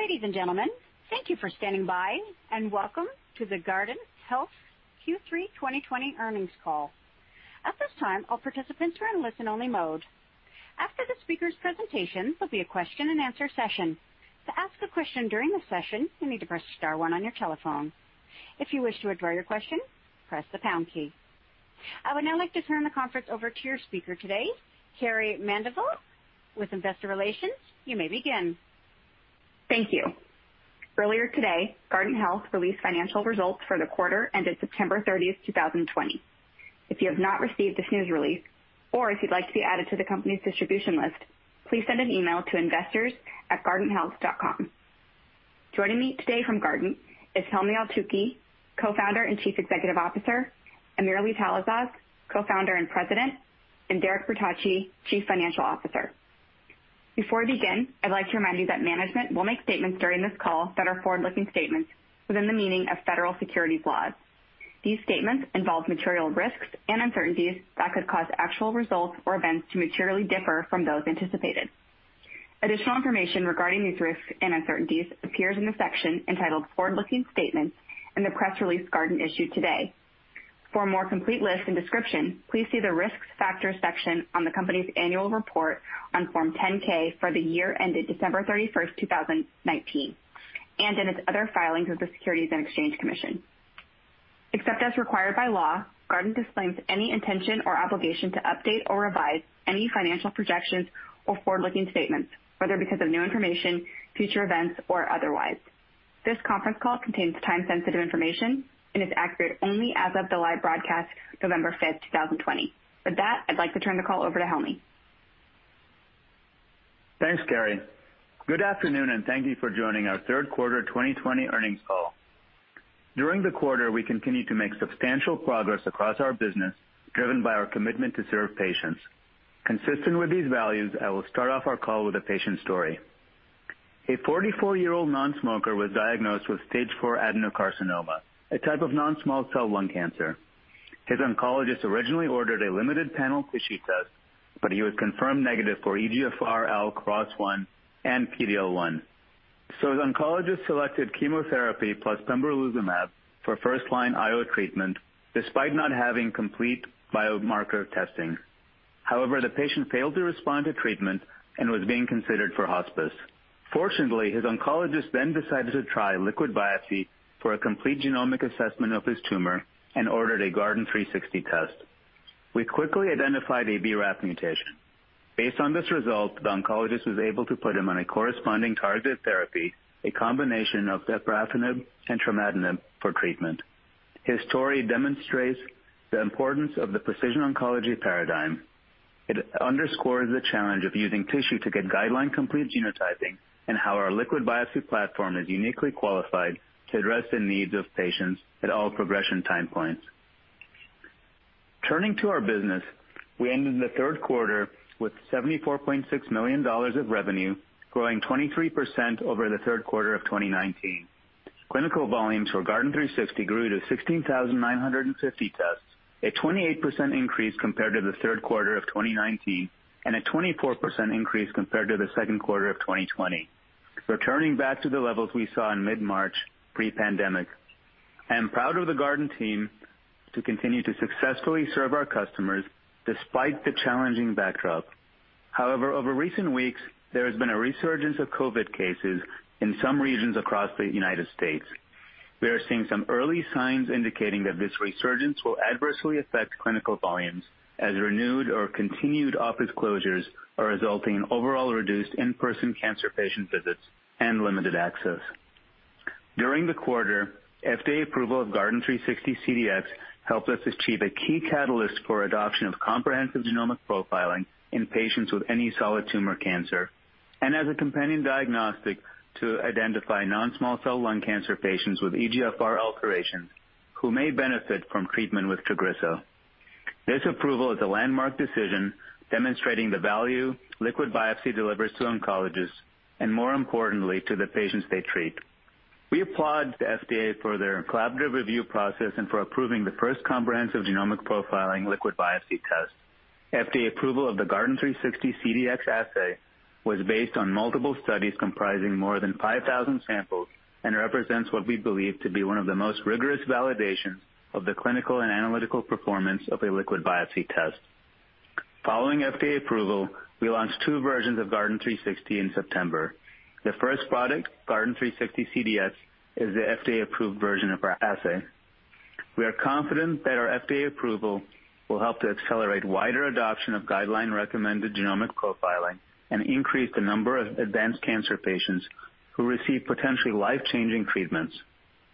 Ladies and gentlemen, thank you for standing by, and welcome to the Guardant Health's Q3 2020 earnings call. At this time, all participants are in listen-only mode. After the speakers' presentations, there'll be a question and answer session. To ask a question during the session, you need to press star one on your telephone. If you wish to withdraw your question, press the pound key. I would now like to turn the conference over to your speaker today, Carrie Mandivil, with investor relations. You may begin. Thank you. Earlier today, Guardant Health released financial results for the quarter ended 30th September, 2020. If you have not received this news release, or if you'd like to be added to the company's distribution list, please send an email to investors@guardanthealth.com. Joining me today from Guardant is Helmy Eltoukhy, Co-Founder and Chief Executive Officer, AmirAli Talasaz, Co-Founder and President, and Derek Bertocci, Chief Financial Officer. Before we begin, I'd like to remind you that management will make statements during this call that are forward-looking statements within the meaning of federal securities laws. These statements involve material risks and uncertainties that could cause actual results or events to materially differ from those anticipated. Additional information regarding these risks and uncertainties appears in the section entitled Forward-Looking Statements in the press release Guardant issued today. For a more complete list and description, please see the Risks Factor section on the company's annual report on Form 10-K for the year ended 31st December, 2019, and in its other filings with the Securities and Exchange Commission. Except as required by law, Guardant disclaims any intention or obligation to update or revise any financial projections or forward-looking statements, whether because of new information, future events, or otherwise. This conference call contains time-sensitive information and is accurate only as of the live broadcast 5th November, 2020. With that, I'd like to turn the call over to Helmy. Thanks, Carrie. Good afternoon, and thank you for joining our third quarter 2020 earnings call. During the quarter, we continued to make substantial progress across our business, driven by our commitment to serve patients. Consistent with these values, I will start off our call with a patient story. A 44-year-old non-smoker was diagnosed with stage 4 adenocarcinoma, a type of non-small cell lung cancer. His oncologist originally ordered a limited panel tissue test. He was confirmed negative for EGFR ALK ROS1 and PD-L1. His oncologist selected chemotherapy plus pembrolizumab for first-line IO treatment, despite not having complete biomarker testing. However, the patient failed to respond to treatment and was being considered for hospice. Fortunately, his oncologist then decided to try liquid biopsy for a complete genomic assessment of his tumor and ordered a Guardant360 test. We quickly identified a BRAF mutation. Based on this result, the oncologist was able to put him on a corresponding targeted therapy, a combination of dabrafenib and trametinib for treatment. His story demonstrates the importance of the precision oncology paradigm. It underscores the challenge of using tissue to get guideline-complete genotyping and how our liquid biopsy platform is uniquely qualified to address the needs of patients at all progression time points. Turning to our business, we ended the third quarter with $74.6 million of revenue, growing 23% over the third quarter of 2019. Clinical volumes for Guardant360 grew to 16,950 tests, a 28% increase compared to the third quarter of 2019 and a 24% increase compared to the second quarter of 2020, returning back to the levels we saw in mid-March pre-pandemic. I am proud of the Guardant team to continue to successfully serve our customers despite the challenging backdrop. However, over recent weeks, there has been a resurgence of COVID cases in some regions across the U.S. We are seeing some early signs indicating that this resurgence will adversely affect clinical volumes as renewed or continued office closures are resulting in overall reduced in-person cancer patient visits and limited access. During the quarter, FDA approval of Guardant360 CDx helped us achieve a key catalyst for adoption of comprehensive genomic profiling in patients with any solid tumor cancer and as a companion diagnostic to identify non-small cell lung cancer patients with EGFR alterations who may benefit from treatment with TAGRISSO. This approval is a landmark decision demonstrating the value liquid biopsy delivers to oncologists and, more importantly, to the patients they treat. We applaud the FDA for their collaborative review process and for approving the first comprehensive genomic profiling liquid biopsy test. FDA approval of the Guardant360 CDx assay was based on multiple studies comprising more than 5,000 samples and represents what we believe to be one of the most rigorous validations of the clinical and analytical performance of a liquid biopsy test. Following FDA approval, we launched two versions of Guardant360 in September. The first product, Guardant360 CDx, is the FDA-approved version of our assay. We are confident that our FDA approval will help to accelerate wider adoption of guideline-recommended genomic profiling and increase the number of advanced cancer patients who receive potentially life-changing treatments.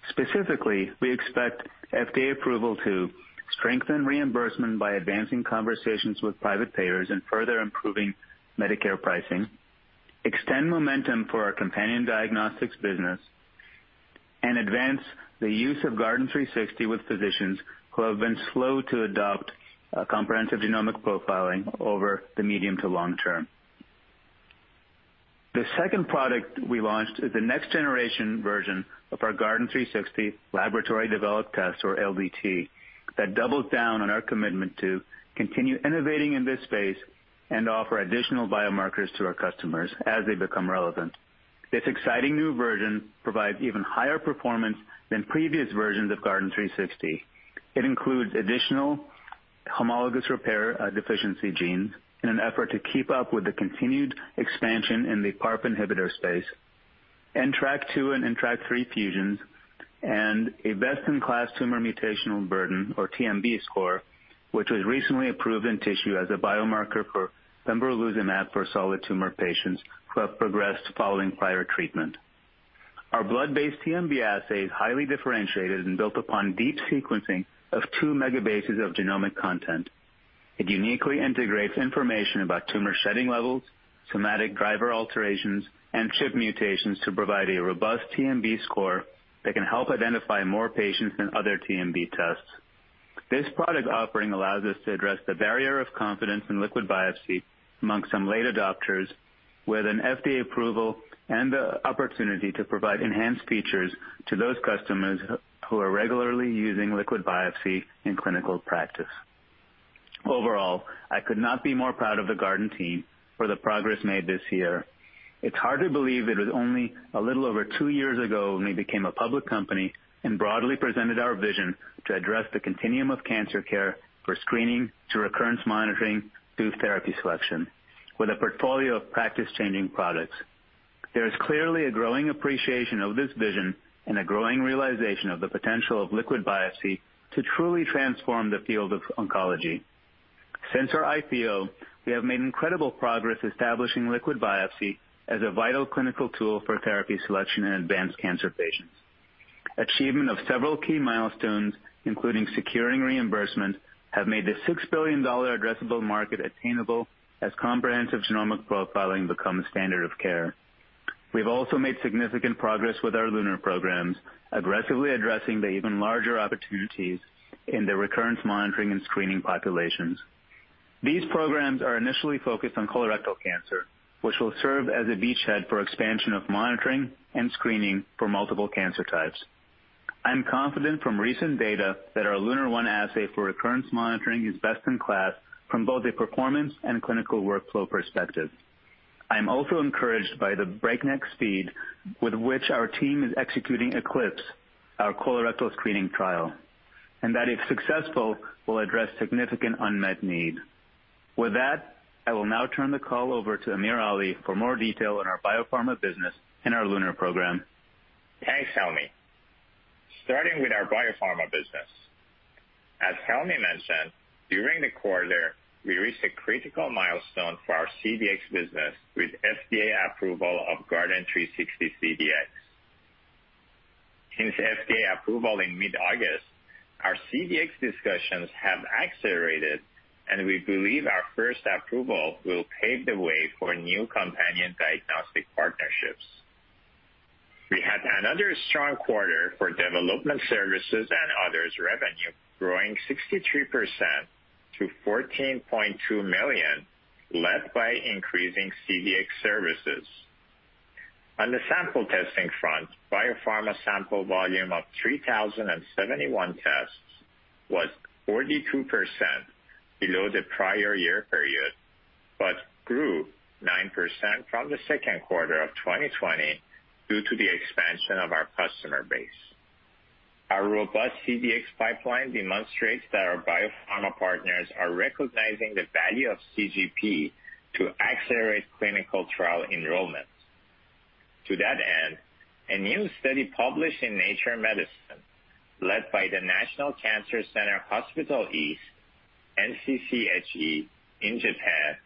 Specifically, we expect FDA approval to strengthen reimbursement by advancing conversations with private payers and further improving Medicare pricing, extend momentum for our companion diagnostics business, and advance the use of Guardant360 with physicians who have been slow to adopt comprehensive genomic profiling over the medium to long term. The second product we launched is the next generation version of our Guardant360 laboratory developed test, or LDT, that doubles down on our commitment to continue innovating in this space and offer additional biomarkers to our customers as they become relevant. This exciting new version provides even higher performance than previous versions of Guardant360. It includes additional homologous repair deficiency genes in an effort to keep up with the continued expansion in the PARP inhibitor space, NTRK2 and NTRK3 fusions, and a best-in-class tumor mutational burden, or TMB score, which was recently approved in tissue as a biomarker for pembrolizumab for solid tumor patients who have progressed following prior treatment. Our blood-based TMB assay is highly differentiated and built upon deep sequencing of 2 megabases of genomic content. It uniquely integrates information about tumor shedding levels, somatic driver alterations, and CHIP mutations to provide a robust TMB score that can help identify more patients than other TMB tests. This product offering allows us to address the barrier of confidence in liquid biopsy among some late adopters with an FDA approval and the opportunity to provide enhanced features to those customers who are regularly using liquid biopsy in clinical practice. Overall, I could not be more proud of the Guardant team for the progress made this year. It's hard to believe it was only a little over two years ago when we became a public company and broadly presented our vision to address the continuum of cancer care for screening to recurrence monitoring, through therapy selection, with a portfolio of practice-changing products. There is clearly a growing appreciation of this vision and a growing realization of the potential of liquid biopsy to truly transform the field of oncology. Since our IPO, we have made incredible progress establishing liquid biopsy as a vital clinical tool for therapy selection in advanced cancer patients. Achievement of several key milestones, including securing reimbursement, have made the $6 billion addressable market attainable as comprehensive genomic profiling becomes standard of care. We've also made significant progress with our LUNAR programs, aggressively addressing the even larger opportunities in the recurrence monitoring and screening populations. These programs are initially focused on colorectal cancer, which will serve as a beachhead for expansion of monitoring and screening for multiple cancer types. I'm confident from recent data that our LUNAR-1 assay for recurrence monitoring is best in class from both a performance and clinical workflow perspective. I'm also encouraged by the breakneck speed with which our team is executing ECLIPSE, our colorectal screening trial, and that if successful, will address significant unmet need. With that, I will now turn the call over to AmirAli for more detail on our biopharma business and our LUNAR program. Thanks, Helmy. Starting with our biopharma business. As Helmy mentioned, during the quarter, we reached a critical milestone for our CDx business with FDA approval of Guardant360 CDx. Since FDA approval in mid-August, our CDx discussions have accelerated, and we believe our first approval will pave the way for new companion diagnostic partnerships. We had another strong quarter for development services and others revenue, growing 63% to $14.2 million, led by increasing CDx services. On the sample testing front, biopharma sample volume of 3,071 tests was 42% below the prior year period, but grew 9% from the second quarter of 2020 due to the expansion of our customer base. Our robust CDx pipeline demonstrates that our biopharma partners are recognizing the value of CGP to accelerate clinical trial enrollments. To that end, a new study published in "Nature Medicine," led by the National Cancer Center Hospital East, NCCHE, in Japan,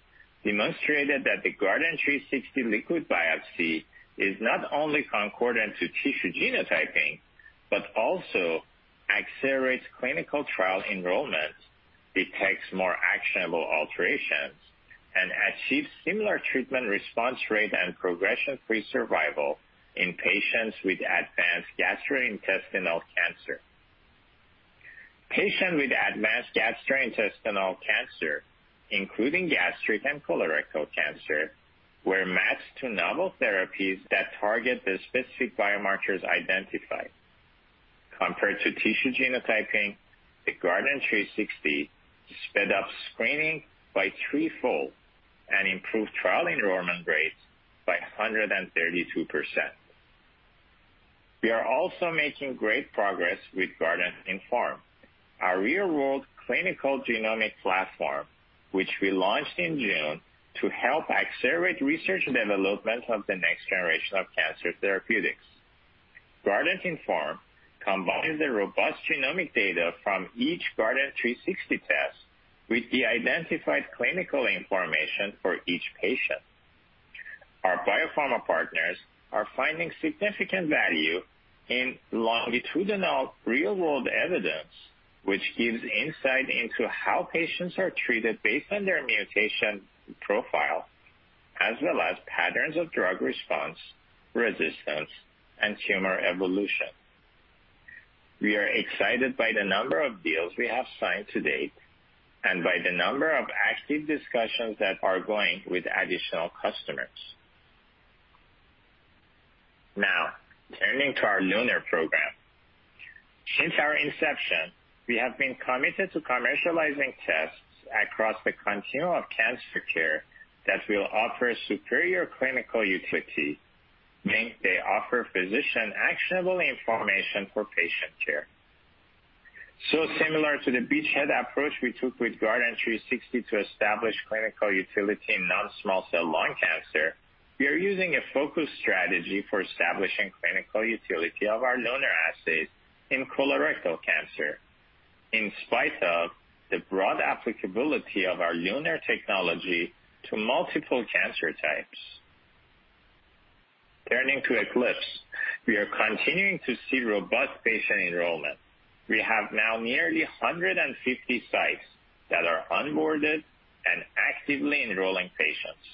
demonstrated that the Guardant360 liquid biopsy is not only concordant to tissue genotyping, but also accelerates clinical trial enrollment, detects more actionable alterations, and achieves similar treatment response rate and progression-free survival in patients with advanced gastrointestinal cancer. Patient with advanced gastrointestinal cancer, including gastric and colorectal cancer, were matched to novel therapies that target the specific biomarkers identified. Compared to tissue genotyping, the Guardant360 sped up screening by threefold and improved trial enrollment rates by 132%. We are also making great progress with GuardantINFORM, our real-world clinical genomic platform, which we launched in June to help accelerate research and development of the next generation of cancer therapeutics. GuardantINFORM combines the robust genomic data from each Guardant360 test with the identified clinical information for each patient. Our biopharma partners are finding significant value in longitudinal real-world evidence, which gives insight into how patients are treated based on their mutation profile, as well as patterns of drug response, resistance, and tumor evolution. We are excited by the number of deals we have signed to date and by the number of active discussions that are ongoing with additional customers. Turning to our LUNAR program. Since our inception, we have been committed to commercializing tests across the continuum of cancer care that will offer superior clinical utility, meaning they offer physician actionable information for patient care. Similar to the beachhead approach we took with Guardant360 to establish clinical utility in non-small cell lung cancer, we are using a focused strategy for establishing clinical utility of our LUNAR assays in colorectal cancer, in spite of the broad applicability of our LUNAR technology to multiple cancer types. Turning to ECLIPSE, we are continuing to see robust patient enrollment. We have now nearly 150 sites that are onboarded and actively enrolling patients.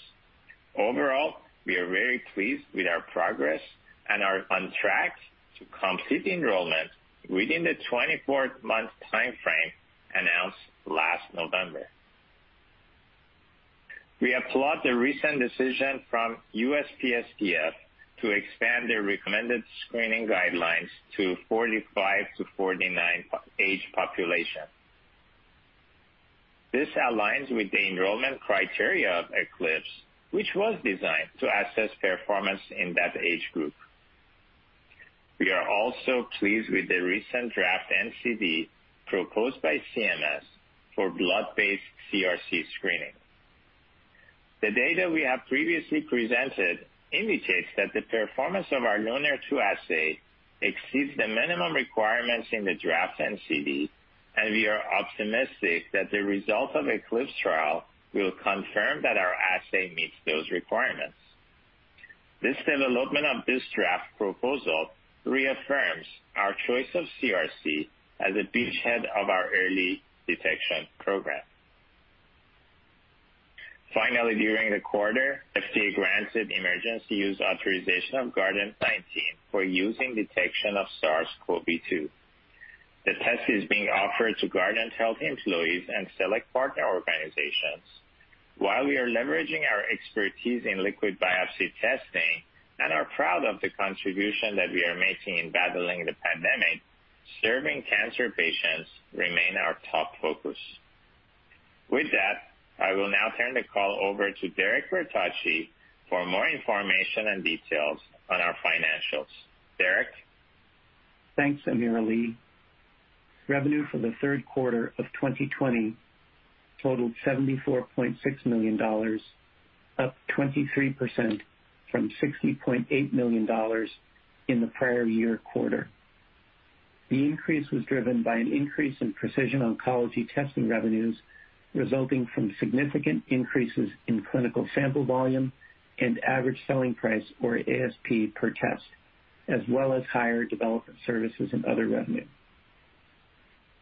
Overall, we are very pleased with our progress and are on track to complete enrollment within the 24-month timeframe announced last November. We applaud the recent decision from USPSTF to expand their recommended screening guidelines to 45-49 age population. This aligns with the enrollment criteria of ECLIPSE, which was designed to assess performance in that age group. We are also pleased with the recent draft NCD proposed by CMS for blood-based CRC screening. The data we have previously presented indicates that the performance of our LUNAR-2 assay exceeds the minimum requirements in the draft NCD, and we are optimistic that the result of ECLIPSE trial will confirm that our assay meets those requirements. This development of this draft proposal reaffirms our choice of CRC as a beachhead of our early detection program. During the quarter, FDA granted emergency use authorization of Guardant-19 for using detection of SARS-CoV-2. The test is being offered to Guardant Health employees and select partner organizations. While we are leveraging our expertise in liquid biopsy testing and are proud of the contribution that we are making in battling the pandemic, serving cancer patients remain our top focus. With that, I will now turn the call over to Derek Bertocci for more information and details on our financials. Derek. Thanks, AmirAli. Revenue for the third quarter of 2020 totaled $74.6 million, up 23% from $60.8 million in the prior year quarter. The increase was driven by an increase in precision oncology testing revenues, resulting from significant increases in clinical sample volume and average selling price, or ASP per test, as well as higher development services and other revenue.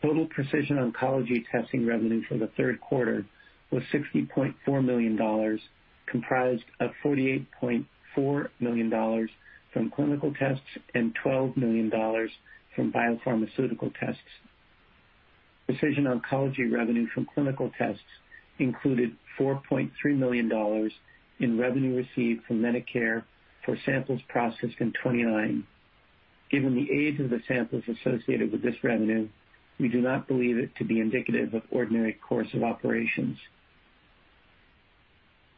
Total precision oncology testing revenue for the third quarter was $60.4 million, comprised of $48.4 million from clinical tests and $12 million from biopharmaceutical tests. Precision oncology revenue from clinical tests included $4.3 million in revenue received from Medicare for samples processed in 2019. Given the age of the samples associated with this revenue, we do not believe it to be indicative of ordinary course of operations.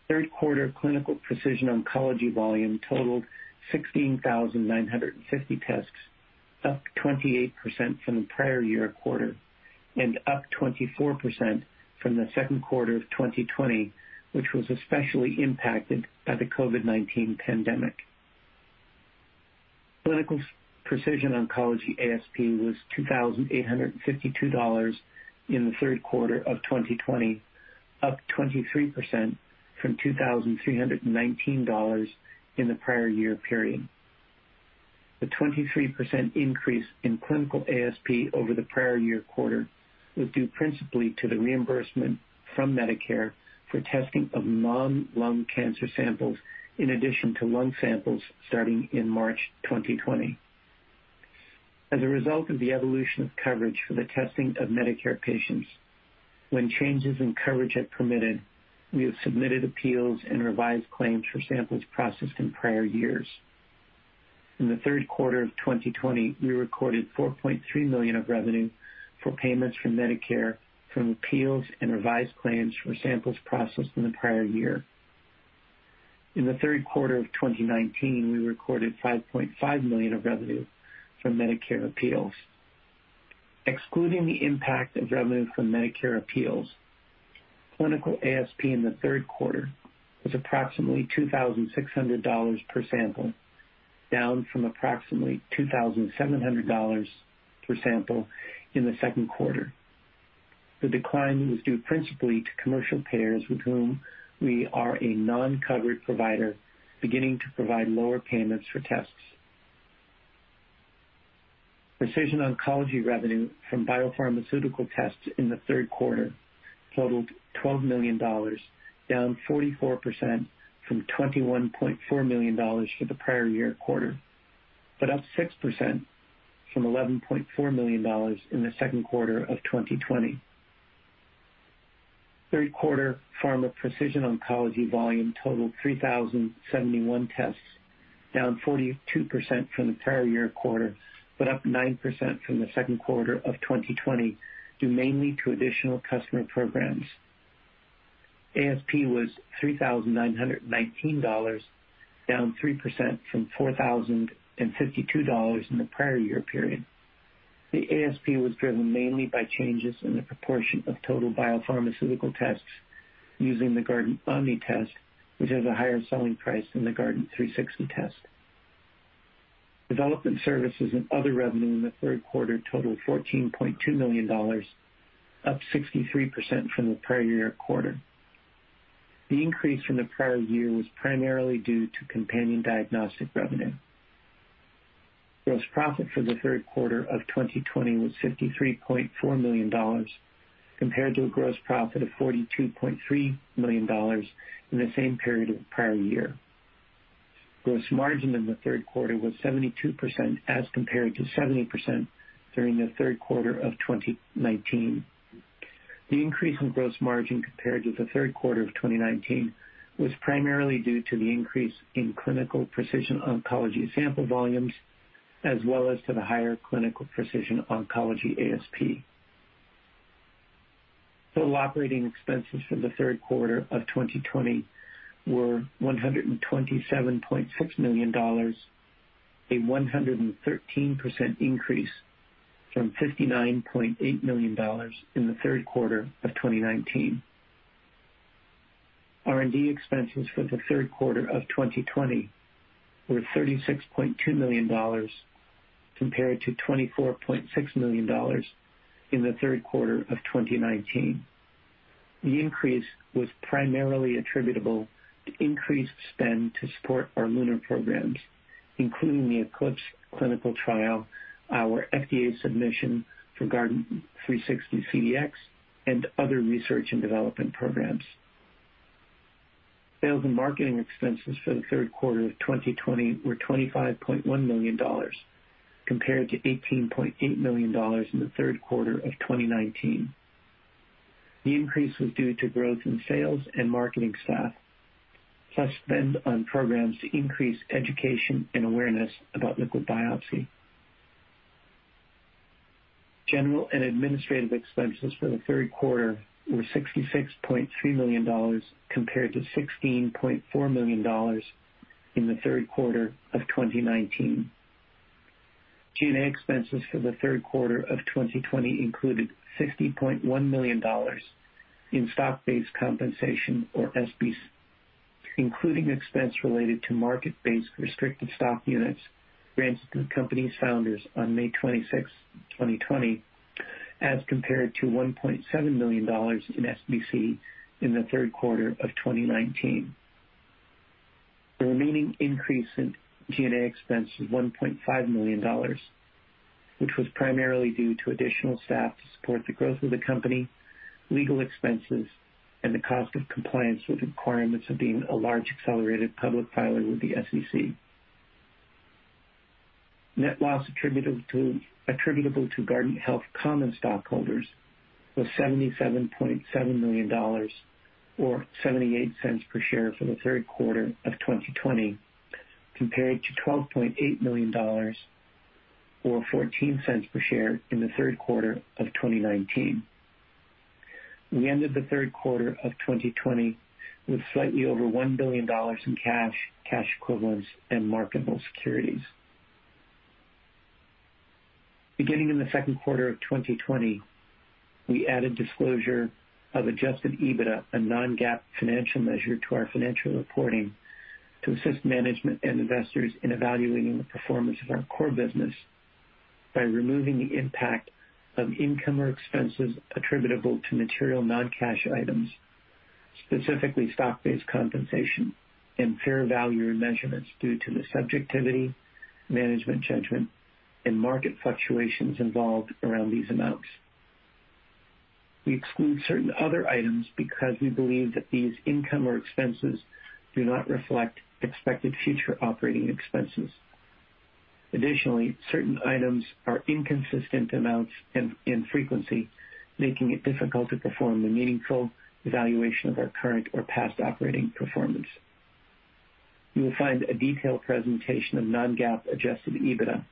Third quarter clinical precision oncology volume totaled 16,950 tests, up 28% from the prior year quarter and up 24% from the second quarter of 2020, which was especially impacted by the COVID-19 pandemic. Clinical precision oncology ASP was $2,852 in the third quarter of 2020, up 23% from $2,319 in the prior year period. The 23% increase in clinical ASP over the prior year quarter was due principally to the reimbursement from Medicare for testing of non-lung cancer samples in addition to lung samples starting in March 2020. As a result of the evolution of coverage for the testing of Medicare patients, when changes in coverage had permitted, we have submitted appeals and revised claims for samples processed in prior years. In the third quarter of 2020, we recorded $4.3 million of revenue for payments from Medicare from appeals and revised claims for samples processed in the prior year. In the third quarter of 2019, we recorded $5.5 million of revenue from Medicare appeals. Excluding the impact of revenue from Medicare appeals, clinical ASP in the third quarter was approximately $2,600 per sample, down from approximately $2,700 per sample in the second quarter. The decline was due principally to commercial payers, with whom we are a non-covered provider, beginning to provide lower payments for tests. Precision oncology revenue from biopharmaceutical tests in the third quarter totaled $12 million, down 44% from $21.4 million for the prior year quarter, but up 6% from $11.4 million in the second quarter of 2020. Third quarter pharma precision oncology volume totaled 3,071 tests, down 42% from the prior year quarter, but up 9% from the second quarter of 2020, due mainly to additional customer programs. ASP was $3,919, down 3% from $4,052 in the prior year period. The ASP was driven mainly by changes in the proportion of total biopharmaceutical tests using the GuardantOMNI test, which has a higher selling price than the Guardant360 test. Development services and other revenue in the third quarter totaled $14.2 million, up 63% from the prior year quarter. The increase from the prior year was primarily due to companion diagnostic revenue. Gross profit for the third quarter of 2020 was $53.4 million, compared to a gross profit of $42.3 million in the same period of the prior year. Gross margin in the third quarter was 72%, as compared to 70% during the third quarter of 2019. The increase in gross margin compared to the third quarter of 2019 was primarily due to the increase in clinical precision oncology sample volumes, as well as to the higher clinical precision oncology ASP. Total operating expenses for the third quarter of 2020 were $127.6 million, a 113% increase from $59.8 million in the third quarter of 2019. R&D expenses for the third quarter of 2020 were $36.2 million, compared to $24.6 million in the third quarter of 2019. The increase was primarily attributable to increased spend to support our LUNAR programs, including the ECLIPSE clinical trial, our FDA submission for Guardant360 CDx, and other research and development programs. Sales and marketing expenses for the third quarter of 2020 were $25.1 million, compared to $18.8 million in the third quarter of 2019. The increase was due to growth in sales and marketing staff, plus spend on programs to increase education and awareness about liquid biopsy. General and administrative expenses for the third quarter were $66.3 million, compared to $16.4 million in the third quarter of 2019. G&A expenses for the third quarter of 2020 included $50.1 million in stock-based compensation, or SBC, including expense related to market-based restricted stock units granted to the company's founders on 26 May, 2020, as compared to $1.7 million in SBC in the third quarter of 2019. The remaining increase in G&A expense was $1.5 million, which was primarily due to additional staff to support the growth of the company, legal expenses, and the cost of compliance with requirements of being a large accelerated public filer with the SEC. Net loss attributable to Guardant Health common stockholders was $77.7 million or $0.78 per share for the third quarter of 2020, compared to $12.8 million or $0.14 per share in the third quarter of 2019. We ended the third quarter of 2020 with slightly over $1 billion in cash equivalents, and marketable securities. Beginning in the second quarter of 2020, we added disclosure of adjusted EBITDA, a non-GAAP financial measure, to our financial reporting to assist management and investors in evaluating the performance of our core business by removing the impact of income or expenses attributable to material non-cash items, specifically stock-based compensation and fair value measurements, due to the subjectivity, management judgment, and market fluctuations involved around these amounts. We exclude certain other items because we believe that these income or expenses do not reflect expected future operating expenses. Additionally, certain items are inconsistent amounts and frequency, making it difficult to perform a meaningful evaluation of our current or past operating performance. You will find a detailed presentation of non-GAAP adjusted EBITDA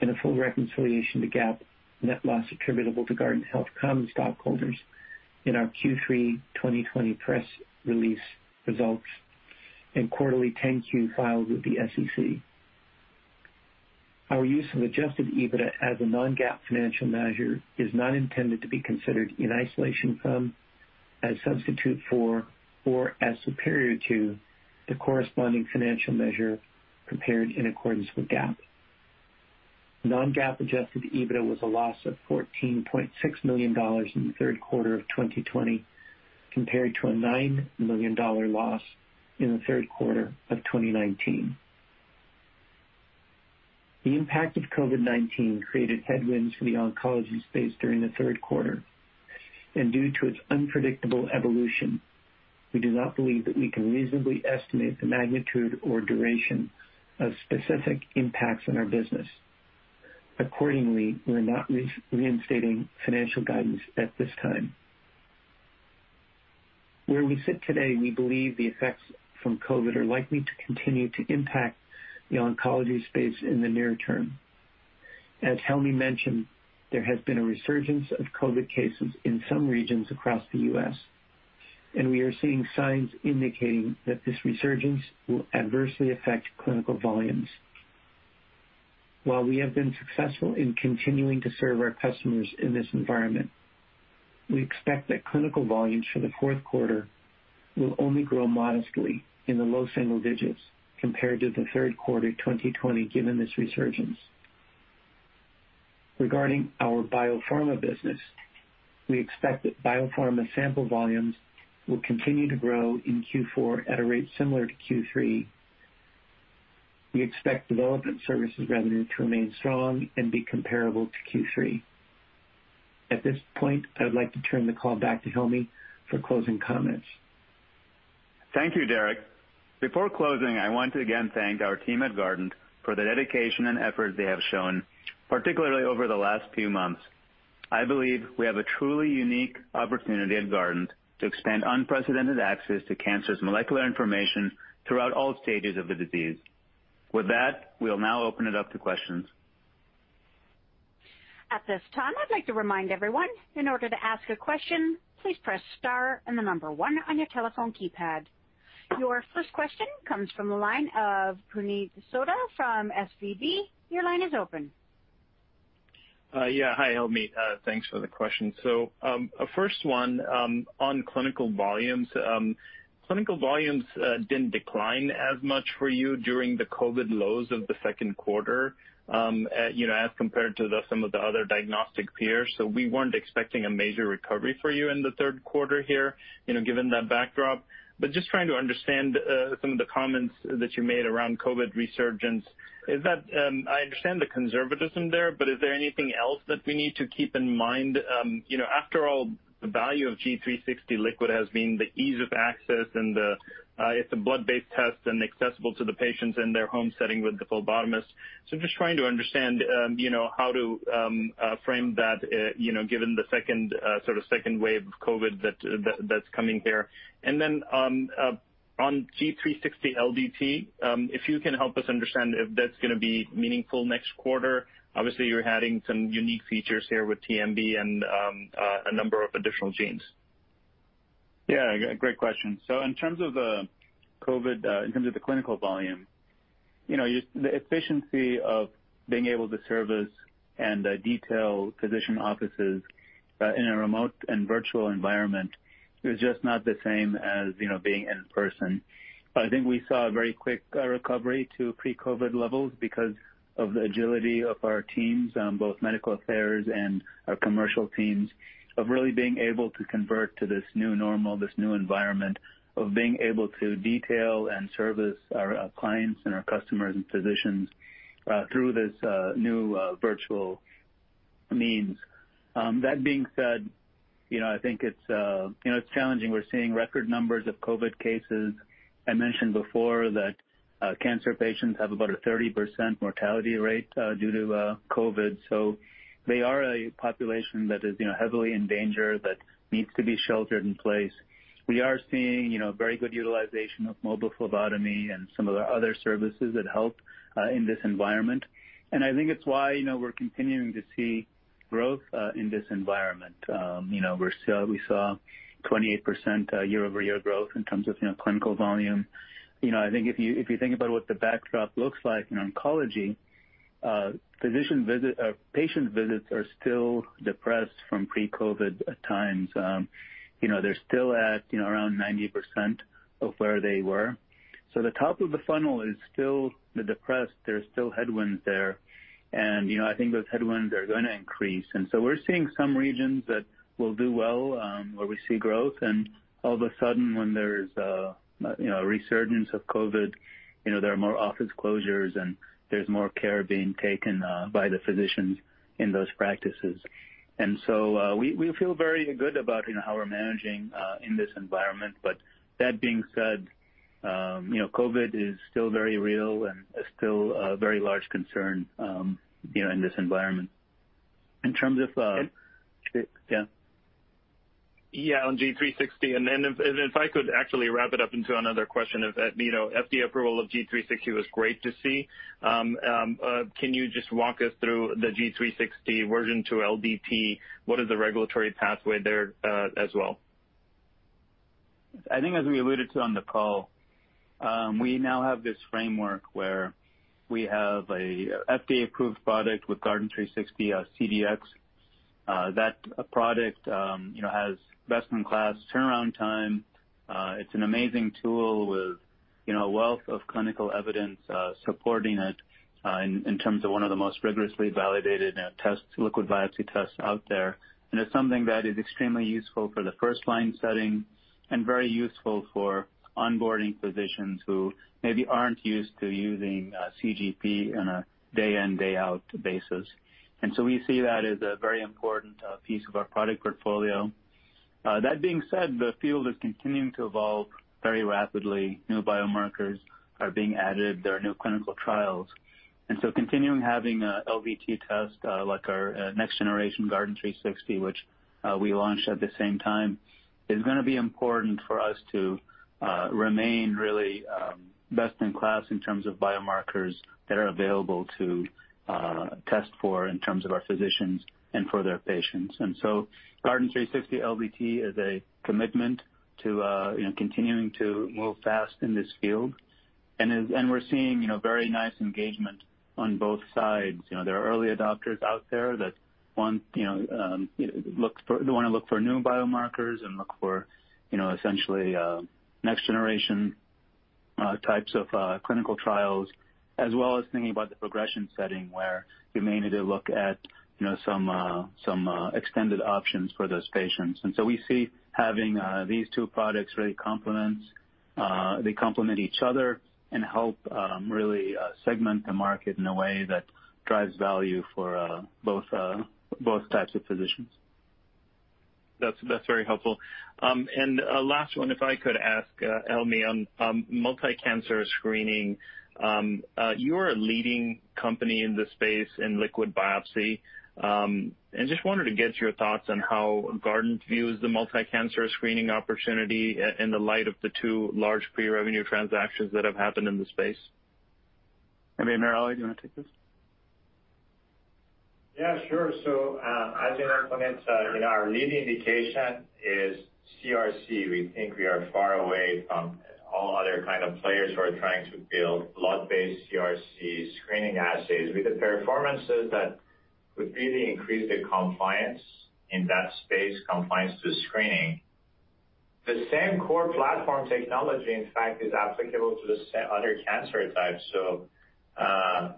and a full reconciliation to GAAP net loss attributable to Guardant Health common stockholders in our Q3 2020 press release results and quarterly 10-Q filed with the SEC. Our use of adjusted EBITDA as a non-GAAP financial measure is not intended to be considered in isolation from, as substitute for, or as superior to, the corresponding financial measure compared in accordance with GAAP. Non-GAAP adjusted EBITDA was a loss of $14.6 million in the third quarter of 2020, compared to a $9 million loss in the third quarter of 2019. The impact of COVID-19 created headwinds for the oncology space during the third quarter, and due to its unpredictable evolution, we do not believe that we can reasonably estimate the magnitude or duration of specific impacts on our business. Accordingly, we are not reinstating financial guidance at this time. Where we sit today, we believe the effects from COVID-19 are likely to continue to impact the oncology space in the near term. As Helmy mentioned, there has been a resurgence of COVID cases in some regions across the U.S., and we are seeing signs indicating that this resurgence will adversely affect clinical volumes. While we have been successful in continuing to serve our customers in this environment, we expect that clinical volumes for the fourth quarter will only grow modestly in the low single digits compared to the third quarter 2020, given this resurgence. Regarding our biopharma business, we expect that biopharma sample volumes will continue to grow in Q4 at a rate similar to Q3. We expect development services revenue to remain strong and be comparable to Q3. At this point, I would like to turn the call back to Helmy for closing comments. Thank you, Derek. Before closing, I want to again thank our team at Guardant for the dedication and effort they have shown, particularly over the last few months. I believe we have a truly unique opportunity at Guardant to expand unprecedented access to cancer's molecular information throughout all stages of the disease. With that, we'll now open it up to questions. Your first question comes from the line of Puneet Souda from SVB. Your line is open. Yeah. Hi, Helmy. Thanks for the question. First one on clinical volumes. Clinical volumes didn't decline as much for you during the COVID lows of the second quarter as compared to some of the other diagnostic peers. We weren't expecting a major recovery for you in the third quarter here, given that backdrop. Just trying to understand some of the comments that you made around COVID resurgence is that, I understand the conservatism there, but is there anything else that we need to keep in mind? After all, the value of Guardant360 Liquid has been the ease of access, and it's a blood-based test and accessible to the patients in their home setting with the phlebotomist. Just trying to understand how to frame that given the sort of second wave of COVID that's coming here. On Guardant360 LDT, if you can help us understand if that's going to be meaningful next quarter. Obviously, you're adding some unique features here with TMB and a number of additional genes. Yeah, great question. In terms of the COVID, in terms of the clinical volume, the efficiency of being able to service and detail physician offices in a remote and virtual environment is just not the same as being in person. I think we saw a very quick recovery to pre-COVID levels because of the agility of our teams, both medical affairs and our commercial teams, of really being able to convert to this new normal, this new environment of being able to detail and service our clients and our customers and physicians through this new virtual means. That being said, I think it's challenging. We're seeing record numbers of COVID cases. I mentioned before that cancer patients have about a 30% mortality rate due to COVID, so they are a population that is heavily in danger, that needs to be sheltered in place. We are seeing very good utilization of mobile phlebotomy and some of our other services that help in this environment, and I think it's why we're continuing to see growth in this environment. We saw 28% year-over-year growth in terms of clinical volume. If you think about what the backdrop looks like in oncology, patient visits are still depressed from pre-COVID-19 at times. They're still at around 90% of where they were. The top of the funnel is still depressed. There are still headwinds there. I think those headwinds are going to increase. We're seeing some regions that will do well, where we see growth, and all of a sudden when there's a resurgence of COVID-19, there are more office closures and there's more care being taken by the physicians in those practices. We feel very good about how we're managing in this environment. That being said, COVID-19 is still very real and still a very large concern in this environment. And- Yeah. Yeah, on G360, and then if I could actually wrap it up into another question. FDA approval of G360 was great to see. Can you just walk us through the G360 version 2 LDT? What is the regulatory pathway there as well? I think as we alluded to on the call, we now have this framework where we have a FDA-approved product with Guardant360 CDx. That product has best-in-class turnaround time. It's an amazing tool with a wealth of clinical evidence supporting it in terms of one of the most rigorously validated liquid biopsy tests out there. It's something that is extremely useful for the first-line setting and very useful for onboarding physicians who maybe aren't used to using CGP on a day-in, day-out basis. We see that as a very important piece of our product portfolio. That being said, the field is continuing to evolve very rapidly. New biomarkers are being added. There are new clinical trials. Continuing having a LDT test, like our next generation Guardant360, which we launched at the same time, is going to be important for us to remain really best in class in terms of biomarkers that are available to test for in terms of our physicians and for their patients. Guardant360 LDT is a commitment to continuing to move fast in this field. We're seeing very nice engagement on both sides. There are early adopters out there that want to look for new biomarkers and look for essentially next-generation types of clinical trials, as well as thinking about the progression setting, where you may need to look at some extended options for those patients. We see having these two products complement each other and help really segment the market in a way that drives value for both types of physicians. That's very helpful. A last one, if I could ask Helmy on multi-cancer screening. You are a leading company in the space in liquid biopsy. Just wanted to get your thoughts on how Guardant views the multi-cancer screening opportunity in the light of the two large pre-revenue transactions that have happened in the space. Helmy, AmirAli, do you want to take this? Sure. As you know, uncertain in our leading indication is CRC. We think we are far away from all other kind of players who are trying to build blood-based CRC screening assays with the performances that would really increase the compliance in that space, compliance to screening. The same core platform technology, in fact, is applicable to other cancer types.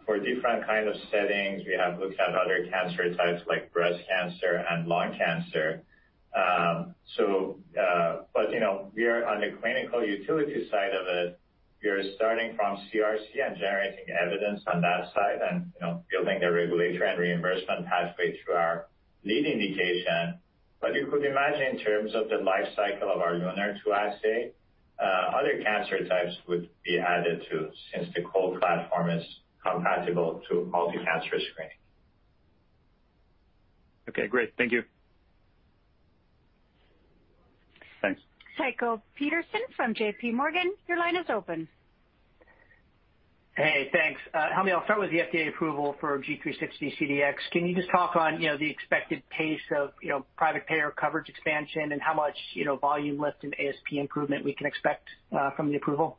For different kind of settings, we have looked at other cancer types like breast cancer and lung cancer. We are on the clinical utility side of it. We are starting from CRC and generating evidence on that side and building a regulatory and reimbursement pathway through our lead indication. You could imagine in terms of the life cycle of our LUNAR-2 assay, other cancer types would be added too, since the core platform is compatible to multi-cancer screening. Okay, great. Thank you. Thanks. Tycho Peterson from J.P. Morgan, your line is open. Hey, thanks. Helmy, I'll start with the FDA approval for G360 CDx. Can you just talk on the expected pace of private payer coverage expansion and how much volume lift and ASP improvement we can expect from the approval?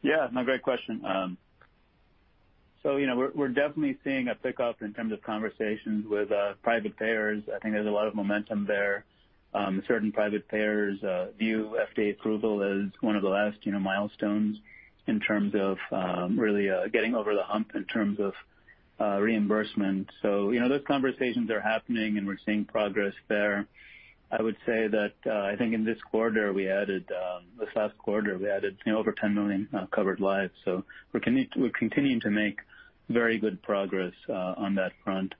Yeah, no, great question. We're definitely seeing a pick-up in terms of conversations with private payers. I think there's a lot of momentum there. Certain private payers view FDA approval as one of the last milestones in terms of really getting over the hump in terms of reimbursement. Those conversations are happening, and we're seeing progress there. I would say that I think in this quarter, we added, this last quarter, we added over 10 million covered lives. We're continuing to make very good progress on that front.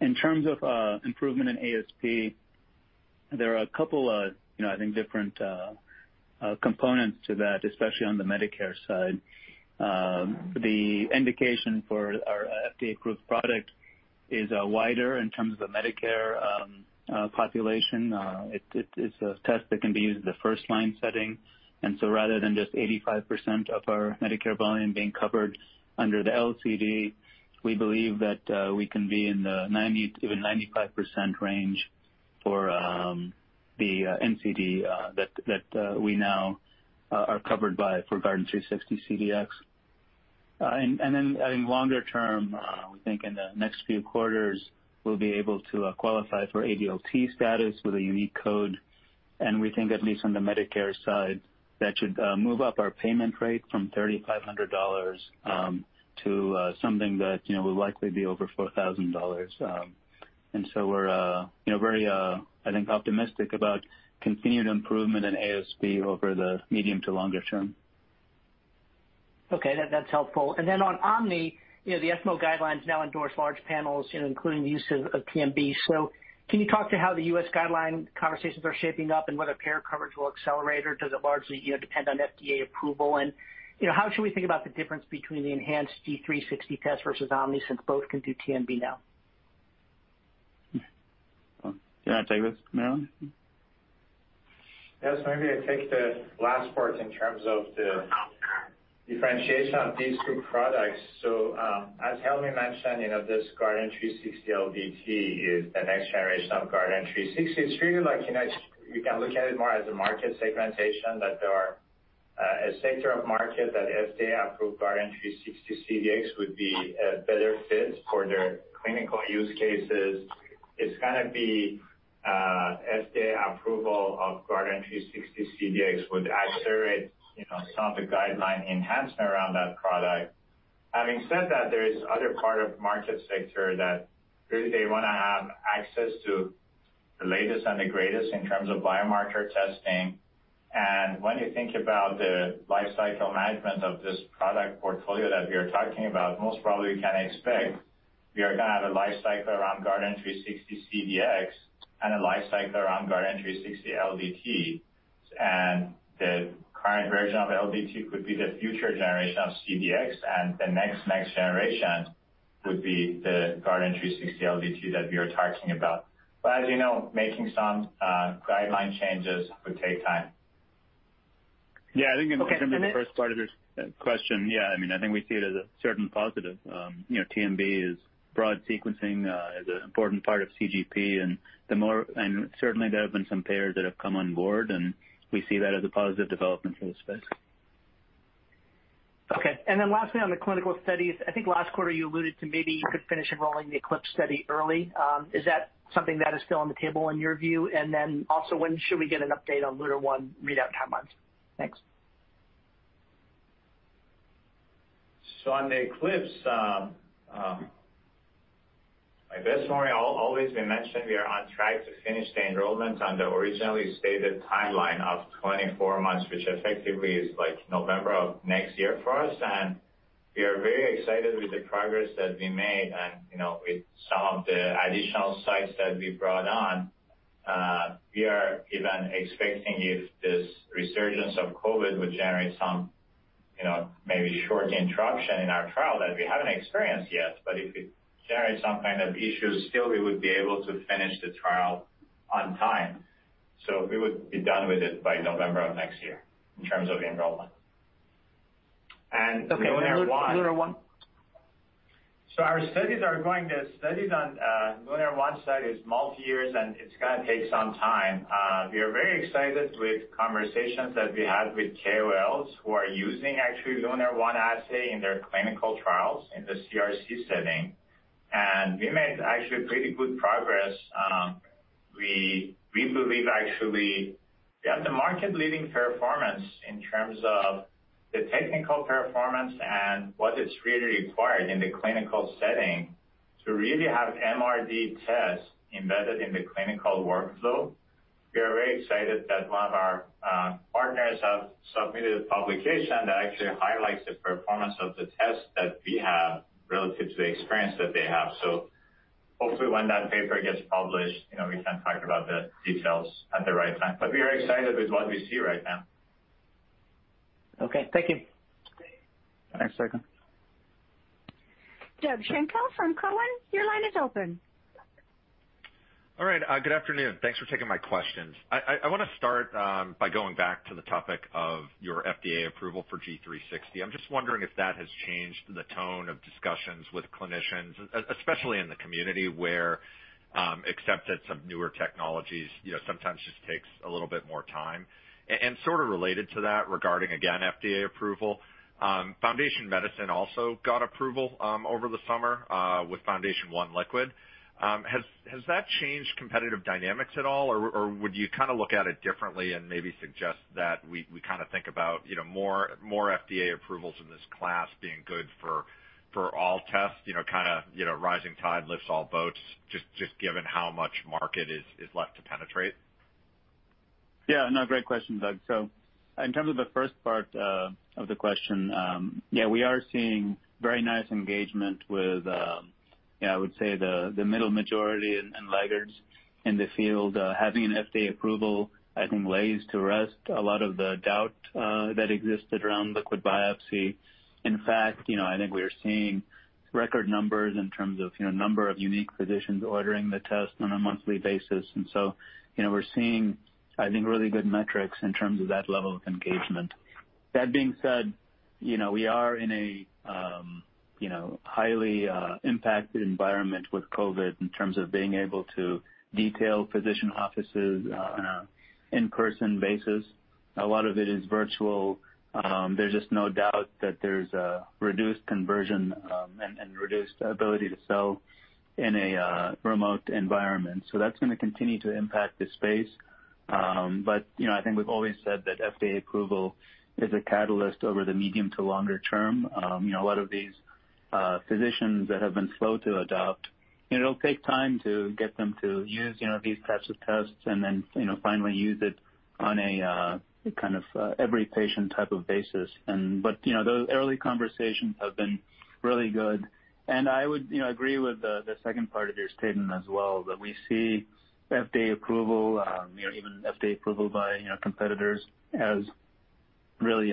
In terms of improvement in ASP, there are a couple of different components to that, especially on the Medicare side. The indication for our FDA-approved product is wider in terms of the Medicare population. It's a test that can be used as a first-line setting. Rather than just 85% of our Medicare volume being covered under the LCD, we believe that we can be in the 90%-95% range for the NCD that we now are covered by for Guardant360 CDx. I think longer term, we think in the next few quarters, we'll be able to qualify for ADLT status with a unique code. We think at least on the Medicare side, that should move up our payment rate from $3,500 to something that will likely be over $4,000. We're very, I think, optimistic about continued improvement in ASP over the medium to longer term. Okay, that's helpful. On Omni, the ESMO guidelines now endorse large panels, including the use of TMB. Can you talk to how the U.S. guideline conversations are shaping up? Whether payer coverage will accelerate, or does it largely depend on FDA approval? How should we think about the difference between the enhanced G360 test versus Omni, since both can do TMB now? Do you want to take this, AmirAli? Yes, maybe I take the last part in terms of the differentiation of these two products. As Helmy mentioned, this Guardant360 LDT is the next generation of Guardant360. It's really like, you can look at it more as a market segmentation, that there are a sector of market that FDA-approved Guardant360 CDx would be a better fit for their clinical use cases. FDA approval of Guardant360 CDx would accelerate some of the guideline enhancement around that product. Having said that, there is other part of market sector that really they want to have access to the latest and the greatest in terms of biomarker testing. When you think about the life cycle management of this product portfolio that we are talking about, most probably we can expect we are going to have a life cycle around Guardant360 CDx and a life cycle around Guardant360 LDT. The current version of LDT could be the future generation of CDx, and the next generation would be the Guardant360 LDT that we are talking about. As you know, making some guideline changes would take time. I think in terms of the first part of your question, I think we see it as a certain positive. TMB is broad sequencing, is an important part of CGP. Certainly there have been some payers that have come on board, and we see that as a positive development for the space. Okay. Lastly, on the clinical studies, I think last quarter you alluded to maybe you could finish enrolling the ECLIPSE study early. Is that something that is still on the table in your view? Also, when should we get an update on LUNAR-1 readout timelines? Thanks. On the ECLIPSE, my best memory, always we mention we are on track to finish the enrollment on the originally stated timeline of 24 months, which effectively is November of next year for us. We are very excited with the progress that we made and with some of the additional sites that we brought on. We are even expecting if this resurgence of COVID would generate some maybe short interruption in our trial that we haven't experienced yet, but if it generates some kind of issues, still, we would be able to finish the trial on time. We would be done with it by November of next year in terms of enrollment. LUNAR-1- LUNAR-1? Our studies are going. The studies on LUNAR-1 side is multi-years, and it's going to take some time. We are very excited with conversations that we had with KOLs who are using actually LUNAR-1 assay in their clinical trials in the CRC setting. We made actually pretty good progress. We believe actually we have the market-leading performance in terms of the technical performance and what is really required in the clinical setting to really have MRD tests embedded in the clinical workflow. We are very excited that one of our partners have submitted a publication that actually highlights the performance of the test that we have relative to the experience that they have. Hopefully when that paper gets published, we can talk about the details at the right time. We are excited with what we see right now. Okay. Thank you. Thanks very much. Doug Schenkel from Cowen, your line is open. All right. Good afternoon. Thanks for taking my questions. I want to start by going back to the topic of your FDA approval for G360. I'm just wondering if that has changed the tone of discussions with clinicians, especially in the community, where acceptance of newer technologies sometimes just takes a little bit more time. Sort of related to that, regarding, again, FDA approval, Foundation Medicine also got approval over the summer with FoundationOne Liquid. Has that changed competitive dynamics at all? Or would you look at it differently and maybe suggest that we think about more FDA approvals in this class being good for all tests, kind of rising tide lifts all boats, just given how much market is left to penetrate? Yeah. No, great question, Doug. In terms of the first part of the question, yeah, we are seeing very nice engagement with, I would say, the middle majority and laggards in the field. Having an FDA approval, I think, lays to rest a lot of the doubt that existed around liquid biopsy. In fact, I think we are seeing record numbers in terms of number of unique physicians ordering the test on a monthly basis. We're seeing, I think, really good metrics in terms of that level of engagement. That being said, we are in a highly impacted environment with COVID-19 in terms of being able to detail physician offices on an in-person basis. A lot of it is virtual. There's just no doubt that there's a reduced conversion and reduced ability to sell in a remote environment. That's going to continue to impact the space. I think we've always said that FDA approval is a catalyst over the medium to longer term. A lot of these physicians that have been slow to adopt, it'll take time to get them to use these types of tests and then finally use it on a every patient type of basis. Those early conversations have been really good. I would agree with the second part of your statement as well, that we see FDA approval, even FDA approval by competitors, as really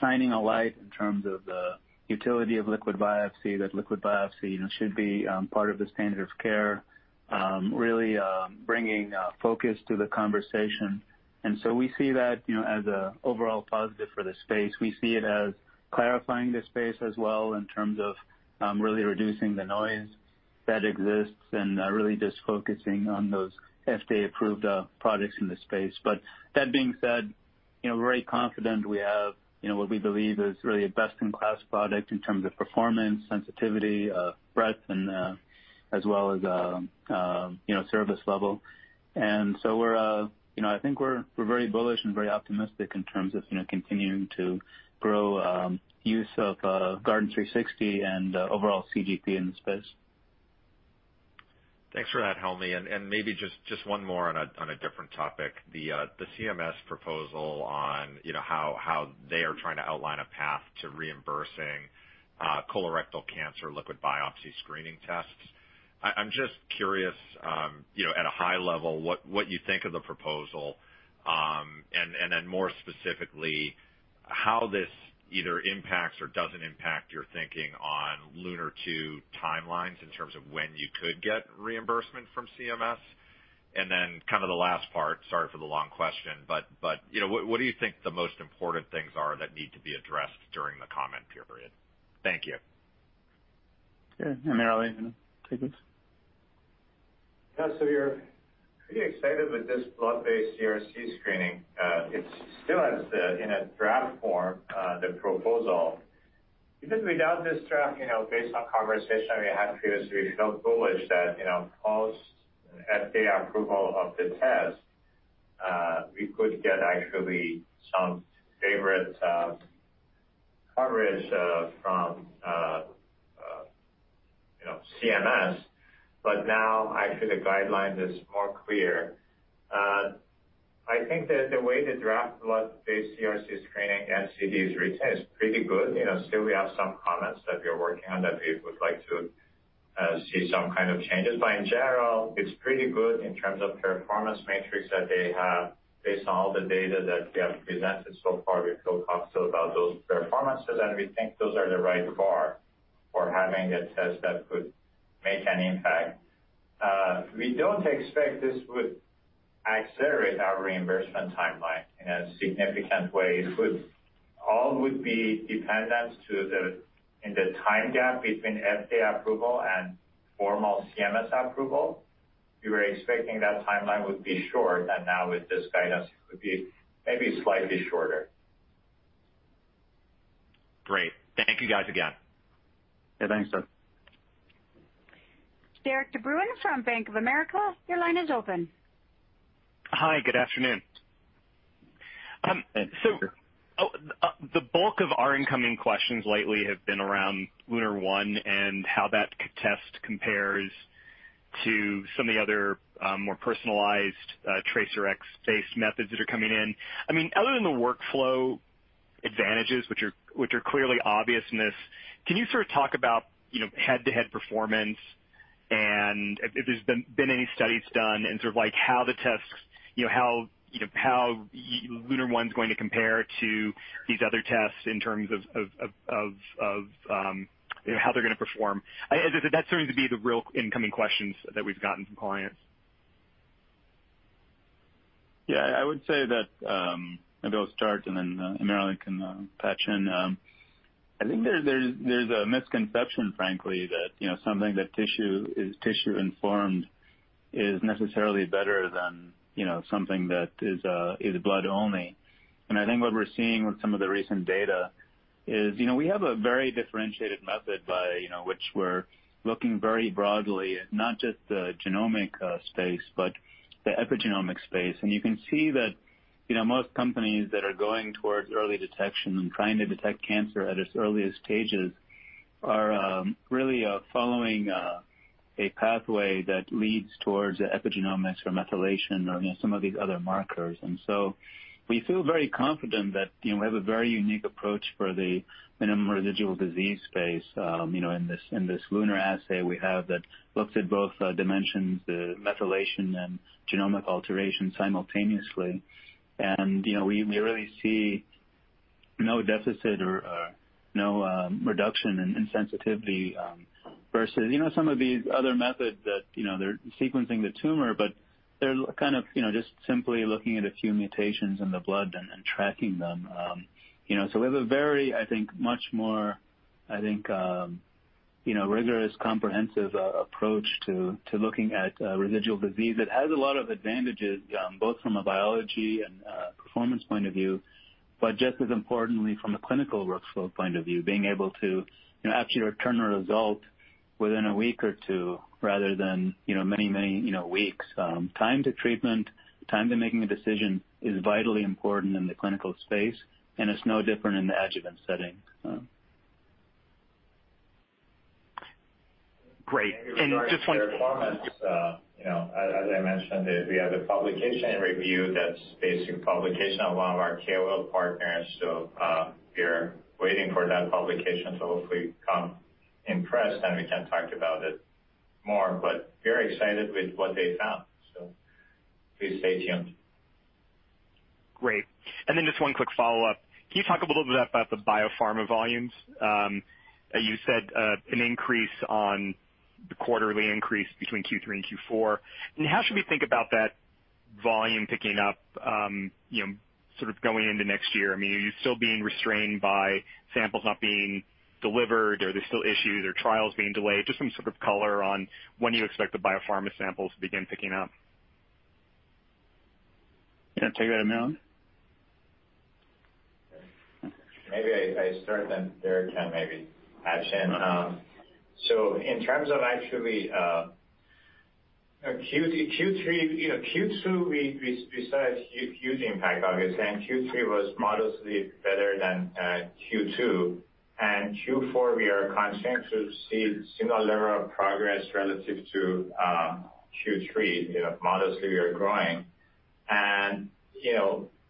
shining a light in terms of the utility of liquid biopsy, that liquid biopsy should be part of the standard of care, really bringing focus to the conversation. We see that as an overall positive for the space. We see it as clarifying the space as well in terms of really reducing the noise that exists and really just focusing on those FDA-approved products in the space. That being said, we're very confident we have what we believe is really a best-in-class product in terms of performance, sensitivity, breadth, and as well as service level. I think we're very bullish and very optimistic in terms of continuing to grow use of Guardant360 and overall CGP in the space. Thanks for that, Helmy. Maybe just one more on a different topic. The CMS proposal on how they are trying to outline a path to reimbursing colorectal cancer liquid biopsy screening tests. I'm just curious, at a high level, what you think of the proposal, and then more specifically, how this either impacts or doesn't impact your thinking on LUNAR-2 timelines in terms of when you could get reimbursement from CMS. The last part, sorry for the long question, but what do you think the most important things are that need to be addressed during the comment period? Thank you. Okay. AmirAli, take this. Yeah. We're pretty excited with this blood-based CRC screening. It still is in a draft form, the proposal. Even without this draft, based on conversation we had previously, we felt bullish that post FDA approval of the test, we could get actually some favorable coverage from CMS. Now actually the guideline is more clear. I think that the way the draft blood-based CRC screening NCD is written is pretty good. Still, we have some comments that we are working on that we would like to see some kind of changes. In general, it's pretty good in terms of performance metrics that they have based on all the data that we have presented so far. We feel confident about those performances, and we think those are the right bar for having a test that could make an impact. We don't expect this would accelerate our reimbursement timeline in a significant way. It all would be dependent to the time gap between FDA approval and formal CMS approval. We were expecting that timeline would be short, and now with this guidance, it could be maybe slightly shorter. Great. Thank you guys again. Yeah, thanks, Doug. Derik de Bruin from Bank of America, your line is open. Hi, good afternoon. Hey, Derek. The bulk of our incoming questions lately have been around LUNAR-1 and how that test compares to some of the other more personalized TRACERx-based methods that are coming in. Other than the workflow advantages, which are clearly obvious in this, can you talk about head-to-head performance, and if there's been any studies done and how LUNAR-1's going to compare to these other tests in terms of how they're going to perform? That seems to be the real incoming questions that we've gotten from clients. Yeah, I would say that, maybe I'll start and then AmirAli can patch in. I think there's a misconception, frankly, that something that is tissue-informed is necessarily better than something that is blood-only. I think what we're seeing with some of the recent data is we have a very differentiated method by which we're looking very broadly at not just the genomic space, but the epigenomic space. You can see that most companies that are going towards early detection and trying to detect cancer at its earliest stages are really following a pathway that leads towards epigenomics or methylation or some of these other markers. We feel very confident that we have a very unique approach for the minimum residual disease space in this LUNAR assay we have that looks at both dimensions, the methylation and genomic alteration simultaneously. We really see no deficit or no reduction in sensitivity versus some of these other methods that they're sequencing the tumor, but they're just simply looking at a few mutations in the blood and tracking them. We have a very, I think, much more rigorous, comprehensive approach to looking at residual disease that has a lot of advantages, both from a biology and performance point of view, but just as importantly, from a clinical workflow point of view, being able to actually return a result within a week or two rather than many weeks. Time to treatment, time to making a decision is vitally important in the clinical space, and it's no different in the adjuvant setting. Great. In regards to performance, as I mentioned, we have the publication in review that's a basic publication of one of our KOL partners. We are waiting for that publication. Hopefully it comes in press, we can talk about it more. We are very excited with what they found. Please stay tuned. Great. Just one quick follow-up. Can you talk a little bit about the biopharma volumes? You said an increase on the quarterly increase between Q3 and Q4. How should we think about that volume picking up going into next year? Are you still being restrained by samples not being delivered? Are there still issues or trials being delayed? Just some sort of color on when you expect the biopharma samples to begin picking up. You want to take that, AmirAli? Maybe I start, then Derek can maybe add in. In terms of actually Q2, we saw a huge impact, obviously, and Q3 was modestly better than Q2. Q4, we are confident to see similar progress relative to Q3, modestly we are growing.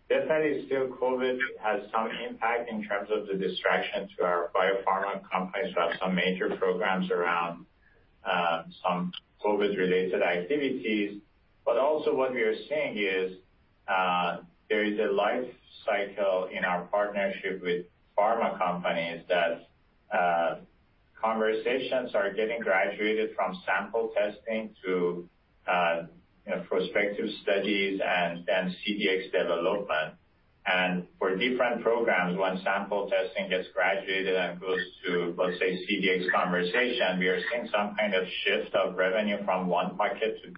Definitely still COVID has some impact in terms of the distraction to our biopharma companies who have some major programs around some COVID-related activities. Also what we are seeing is, there is a life cycle in our partnership with pharma companies that conversations are getting graduated from sample testing to prospective studies and then CDx development. For different programs, when sample testing gets graduated and goes to, let's say, CDx conversation, we are seeing some kind of shift of revenue from one pocket to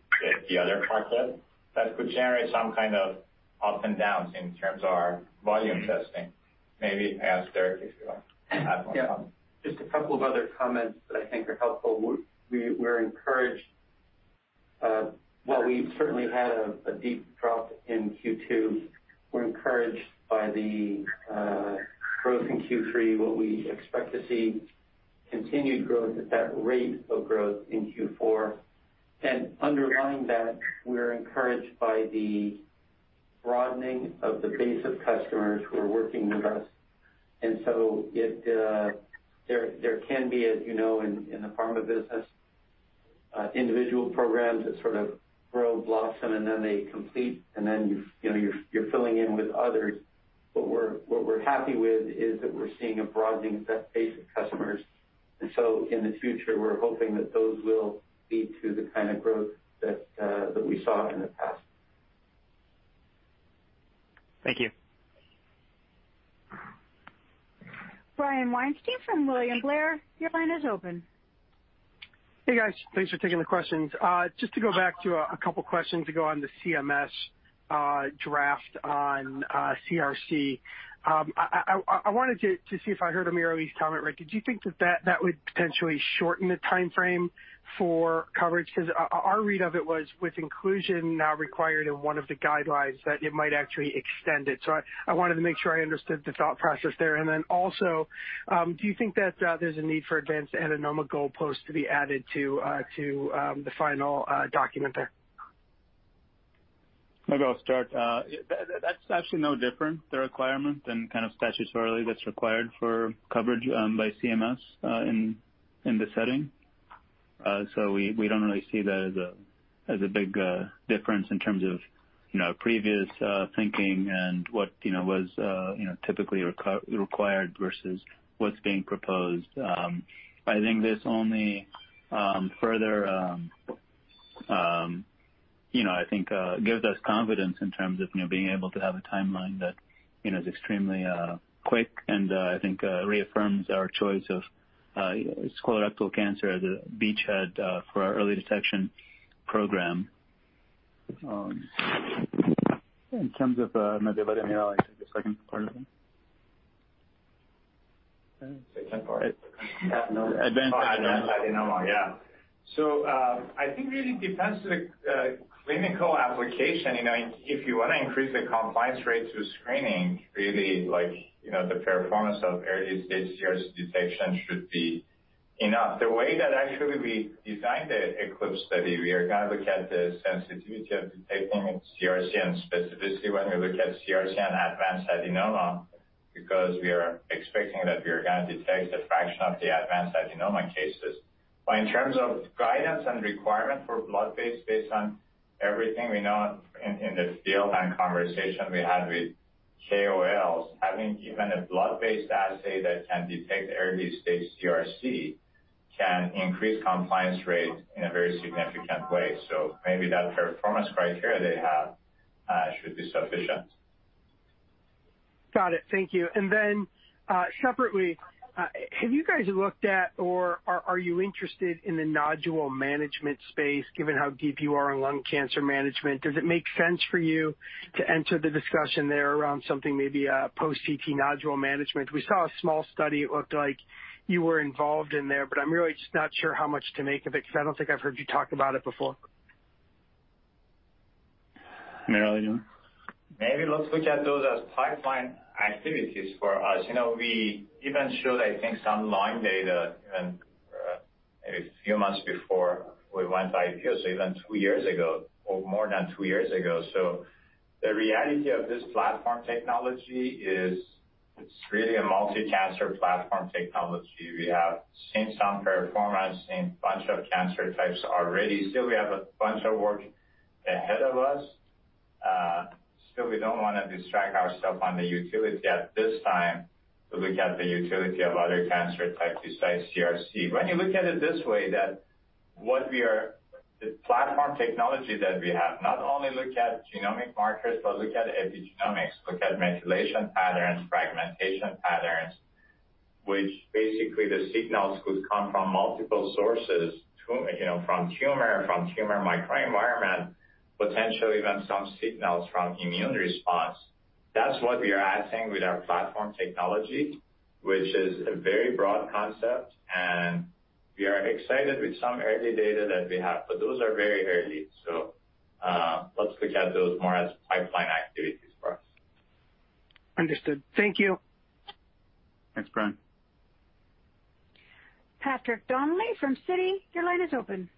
the other pocket that could generate some kind of up and downs in terms of our volume testing. Maybe ask Derek if you want to add more comment. Yeah. Just a couple of other comments that I think are helpful. While we've certainly had a deep drop in Q2, we're encouraged by the growth in Q3, what we expect to see continued growth at that rate of growth in Q4. Underlying that, we're encouraged by the broadening of the base of customers who are working with us. There can be, as you know, in the pharma business, individual programs that sort of grow, blossom, and then they complete, and then you're filling in with others. What we're happy with is that we're seeing a broadening of that base of customers. In the future, we're hoping that those will lead to the kind of growth that we saw in the past. Thank you. Brian Weinstein from William Blair, your line is open. Hey, guys. Thanks for taking the questions. Just to go back to a couple questions ago on the CMS draft on CRC. I wanted to see if I heard AmirAli's comment right. Did you think that that would potentially shorten the timeframe for coverage? Our read of it was with inclusion now required in one of the guidelines, that it might actually extend it. I wanted to make sure I understood the thought process there. Also, do you think that there's a need for advanced adenoma goalpost to be added to the final document there? Maybe I'll start. That's actually no different, the requirement, than kind of statutorily that's required for coverage by CMS in this setting. We don't really see that as a big difference in terms of previous thinking and what was typically required versus what's being proposed. I think this only further gives us confidence in terms of being able to have a timeline that is extremely quick and I think reaffirms our choice of colorectal cancer as a beachhead for our early detection program. In terms of, maybe what Amir, I think the second part of it? Second part? Advanced adenoma. Advanced adenoma, yeah. I think really it depends on the clinical application. If you want to increase the compliance rate through screening, really, the performance of early-stage CRC detection should be enough. The way that actually we designed the ECLIPSE study, we are going to look at the sensitivity of detecting CRC, and specifically when we look at CRC and advanced adenoma, because we are expecting that we are going to detect a fraction of the advanced adenoma cases. In terms of guidance and requirement for blood-based, based on everything we know in the field and conversation we had with KOLs, having even a blood-based assay that can detect early-stage CRC can increase compliance rate in a very significant way. Maybe that performance criteria they have should be sufficient. Got it. Thank you. Separately, have you guys looked at or are you interested in the nodule management space, given how deep you are in lung cancer management? Does it make sense for you to enter the discussion there around something maybe post CT nodule management? We saw a small study. It looked like you were involved in there, but I'm really just not sure how much to make of it, because I don't think I've heard you talk about it before. Amir, Eli? Maybe let's look at those as pipeline activities for us. We even showed, I think, some line data, even maybe a few months before we went IPO, so even two years ago, or more than two years ago. The reality of this platform technology is it's really a multi-cancer platform technology. We have seen some performance in bunch of cancer types already. Still we have a bunch of work ahead of us. Still we don't want to distract ourselves on the utility at this time, to look at the utility of other cancer types besides CRC. When you look at it this way, that the platform technology that we have, not only look at genomic markers, but look at epigenomics, look at methylation patterns, fragmentation patterns, which basically the signals could come from multiple sources, from tumor, from tumor microenvironment, potentially even some signals from immune response. That's what we are adding with our platform technology, which is a very broad concept, and we are excited with some early data that we have, but those are very early. Let's look at those more as pipeline activities for us. Understood. Thank you. Thanks, Brian. Patrick Donnelly from Citi. Your line is open.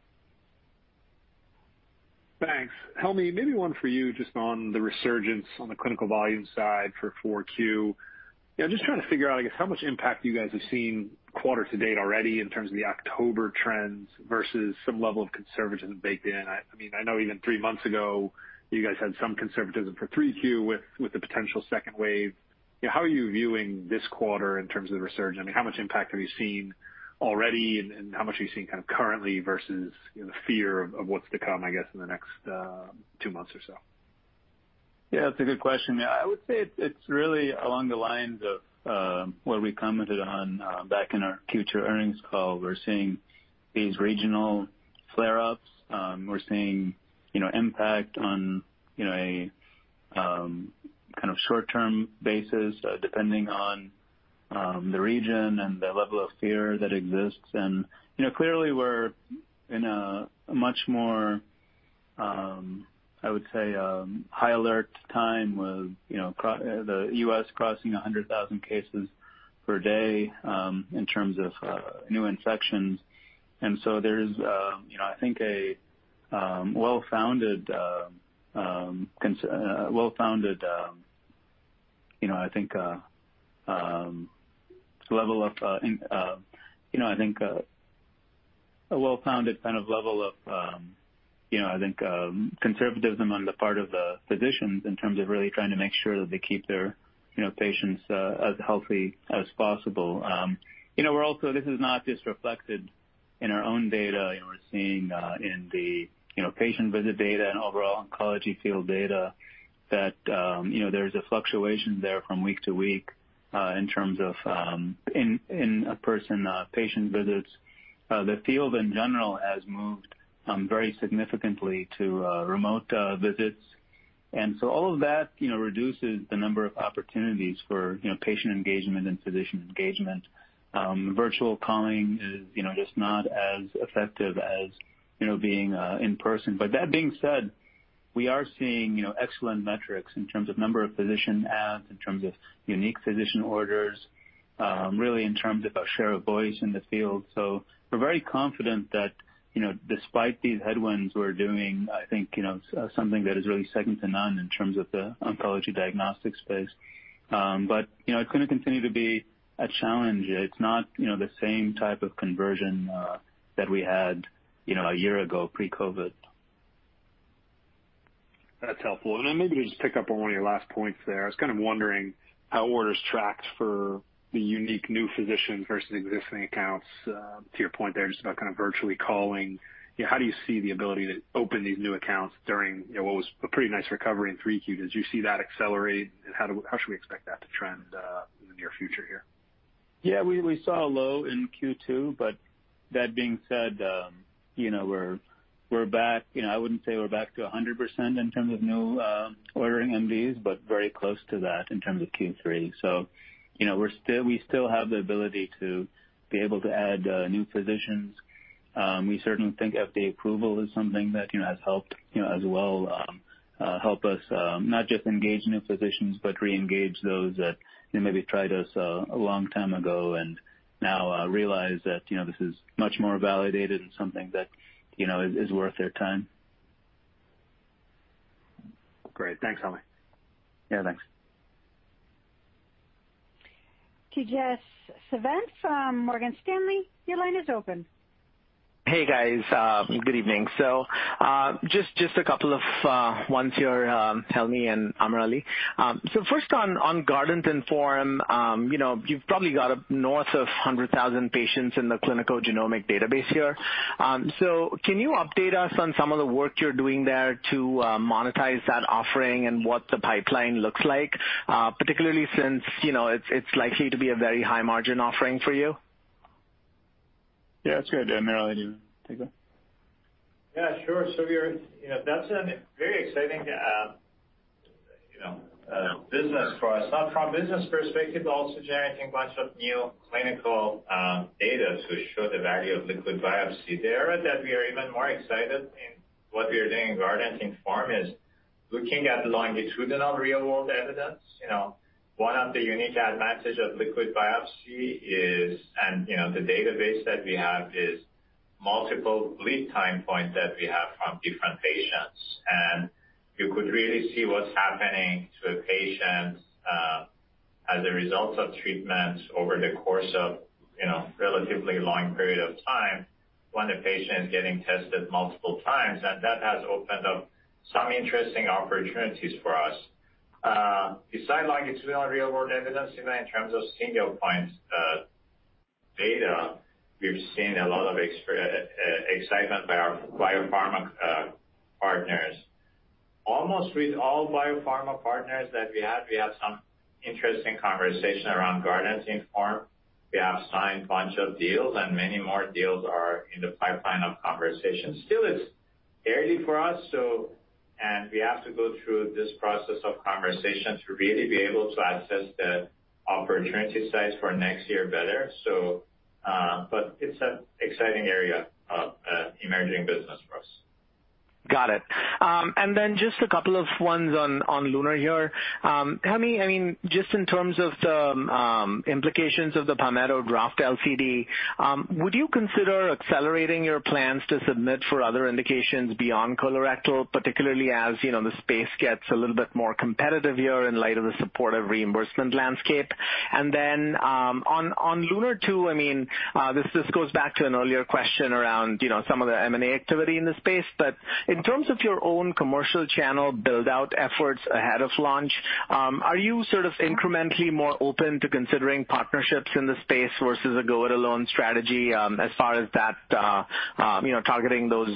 Thanks. Helmy, maybe one for you just on the resurgence on the clinical volume side for 4Q. I'm just trying to figure out, I guess, how much impact you guys have seen quarter to date already in terms of the October trends versus some level of conservatism baked in. I know even three months ago, you guys had some conservatism for 3Q with the potential second wave. How are you viewing this quarter in terms of the resurgence? How much impact have you seen already, and how much are you seeing currently versus the fear of what's to come, I guess, in the next two months or so? Yeah, that's a good question. I would say it's really along the lines of what we commented on back in our Q2 earnings call. We're seeing these regional flare-ups. We're seeing impact on a short-term basis, depending on the region and the level of fear that exists. Clearly we're in a much more, I would say, high alert time with the U.S. crossing 100,000 cases per day in terms of new infections. There's I think a well-founded level of conservatism on the part of the physicians in terms of really trying to make sure that they keep their patients as healthy as possible. This is not just reflected in our own data. We're seeing in the patient visit data and overall oncology field data that there's a fluctuation there from week to week in terms of in-person patient visits. The field in general has moved very significantly to remote visits. All of that reduces the number of opportunities for patient engagement and physician engagement. Virtual calling is just not as effective as being in person. That being said, we are seeing excellent metrics in terms of number of physician adds, in terms of unique physician orders, really in terms of our share of voice in the field. We're very confident that despite these headwinds, we're doing, I think something that is really second to none in terms of the oncology diagnostic space. It's going to continue to be a challenge. It's not the same type of conversion that we had a year ago, pre-COVID. That's helpful. Then maybe just pick up on one of your last points there. I was kind of wondering how orders tracked for the unique new physician versus existing accounts, to your point there, just about kind of virtually calling. How do you see the ability to open these new accounts during what was a pretty nice recovery in 3Q? Did you see that accelerate, how should we expect that to trend in the near future here? We saw a low in Q2, but that being said, I wouldn't say we're back to 100% in terms of new ordering MDs, but very close to that in terms of Q3. We still have the ability to be able to add new physicians. We certainly think FDA approval is something that has helped as well, help us not just engage new physicians, but re-engage those that maybe tried us a long time ago and now realize that this is much more validated and something that is worth their time. Great. Thanks, Helmy. Yeah, thanks. Tejas Savant from Morgan Stanley, your line is open. Hey, guys. Good evening. Just a couple of ones here, Helmy and AmirAli. First on GuardantINFORM, you've probably got up north of 100,000 patients in the clinical genomic database here. Can you update us on some of the work you're doing there to monetize that offering and what the pipeline looks like? Particularly since it's likely to be a very high-margin offering for you. Yeah, that's a good idea. AmirAli, do you want to take that? Yeah, sure. That's a very exciting business for us. From business perspective, also generating bunch of new clinical data to show the value of liquid biopsy there that we are even more excited in what we are doing in GuardantINFORM is looking at longitudinal real world evidence. One of the unique advantage of liquid biopsy is, and the database that we have is multiple bleed time points that we have from different patients. You could really see what's happening to a patient as a result of treatments over the course of relatively long period of time when a patient is getting tested multiple times. That has opened up some interesting opportunities for us. Besides longitudinal real world evidence, even in terms of single point data, we've seen a lot of excitement by our biopharma partners. Almost with all biopharma partners that we have, we have some interesting conversation around Guardant360. We have signed a bunch of deals and many more deals are in the pipeline of conversations. It's early for us, and we have to go through this process of conversation to really be able to assess the opportunity size for next year better. It's an exciting area of emerging business for us. Got it. Just a couple of ones on LUNAR here. Helmy, just in terms of the implications of the Palmetto GBA draft LCD, would you consider accelerating your plans to submit for other indications beyond colorectal, particularly as the space gets a little bit more competitive here in light of the supportive reimbursement landscape? On LUNAR-2, this goes back to an earlier question around some of the M&A activity in the space. In terms of your own commercial channel build-out efforts ahead of launch, are you sort of incrementally more open to considering partnerships in the space versus a go-it-alone strategy as far as that targeting those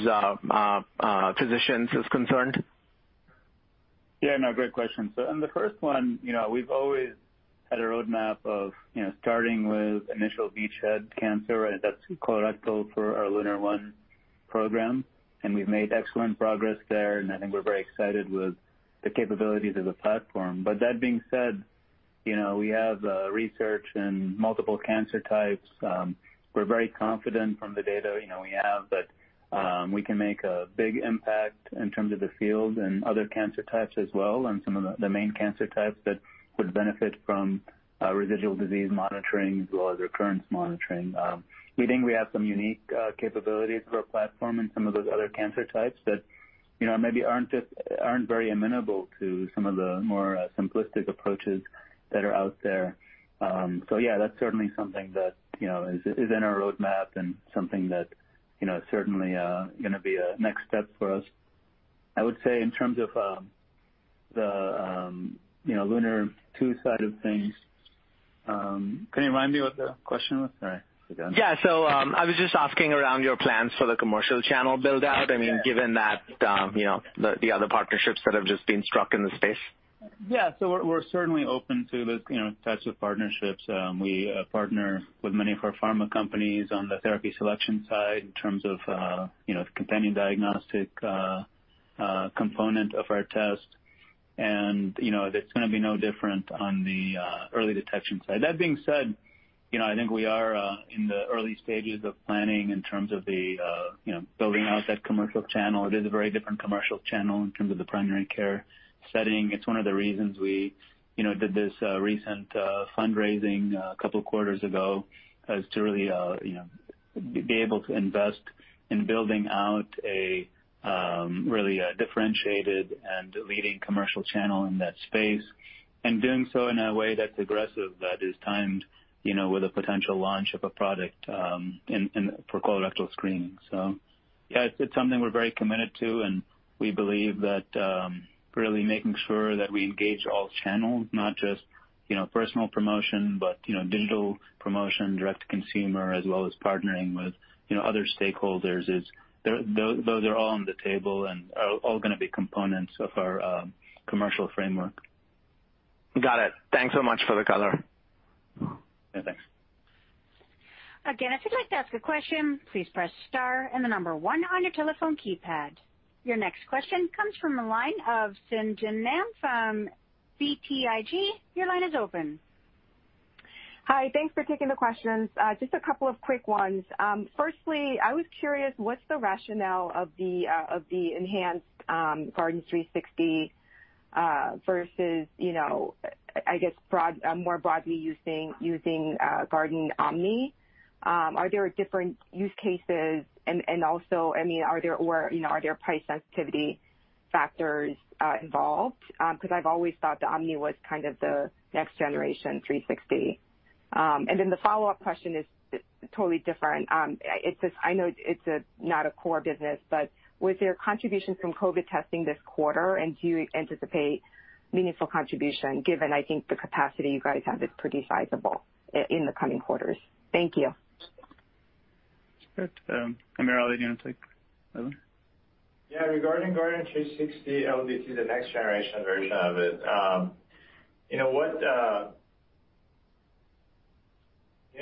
physicians is concerned? Yeah, no, great question. On the first one, we've always had a roadmap of starting with initial beachhead cancer, and that's colorectal for our LUNAR-1 program, and we've made excellent progress there. I think we're very excited with the capabilities of the platform. That being said, we have research in multiple cancer types. We're very confident from the data we have that we can make a big impact in terms of the field and other cancer types as well, and some of the main cancer types that would benefit from residual disease monitoring as well as recurrence monitoring. We think we have some unique capabilities for our platform in some of those other cancer types that maybe aren't very amenable to some of the more simplistic approaches that are out there. Yeah, that's certainly something that is in our roadmap and something that certainly going to be a next step for us. I would say in terms of the LUNAR-2 side of things, can you remind me what the question was? Sorry, again. Yeah. I was just asking around your plans for the commercial channel build-out. Given the other partnerships that have just been struck in the space. Yeah. We're certainly open to those types of partnerships. We partner with many of our pharma companies on the therapy selection side in terms of the companion diagnostic component of our test. That's going to be no different on the early detection side. That being said, I think we are in the early stages of planning in terms of the building out that commercial channel. It is a very different commercial channel in terms of the primary care setting. It's one of the reasons we did this recent fundraising a couple of quarters ago, is to really be able to invest in building out a really differentiated and leading commercial channel in that space, and doing so in a way that's aggressive, that is timed with a potential launch of a product for colorectal screening. Yeah, it's something we're very committed to. We believe that really making sure that we engage all channels, not just personal promotion, but digital promotion, direct to consumer, as well as partnering with other stakeholders. Those are all on the table and are all going to be components of our commercial framework. Got it. Thanks so much for the color. Yeah, thanks. Again, if you'd like to ask a question, please press star and the number one on your telephone keypad. Your next question comes from the line of Sung Ji Nam from BTIG. Your line is open. Hi. Thanks for taking the questions. Just a couple of quick ones. Firstly, I was curious, what's the rationale of the enhanced Guardant360 versus, I guess, more broadly using GuardantOMNI? Are there different use cases? Also, are there price sensitivity factors involved? I've always thought the OMNI was kind of the next generation 360. Then the follow-up question is totally different. I know it's not a core business, but was there contributions from COVID testing this quarter, and do you anticipate meaningful contribution given, I think, the capacity you guys have is pretty sizable in the coming quarters? Thank you. Sure. AmirAli, do you want to take that one? Yeah. Regarding Guardant360, I would say the next generation version of it.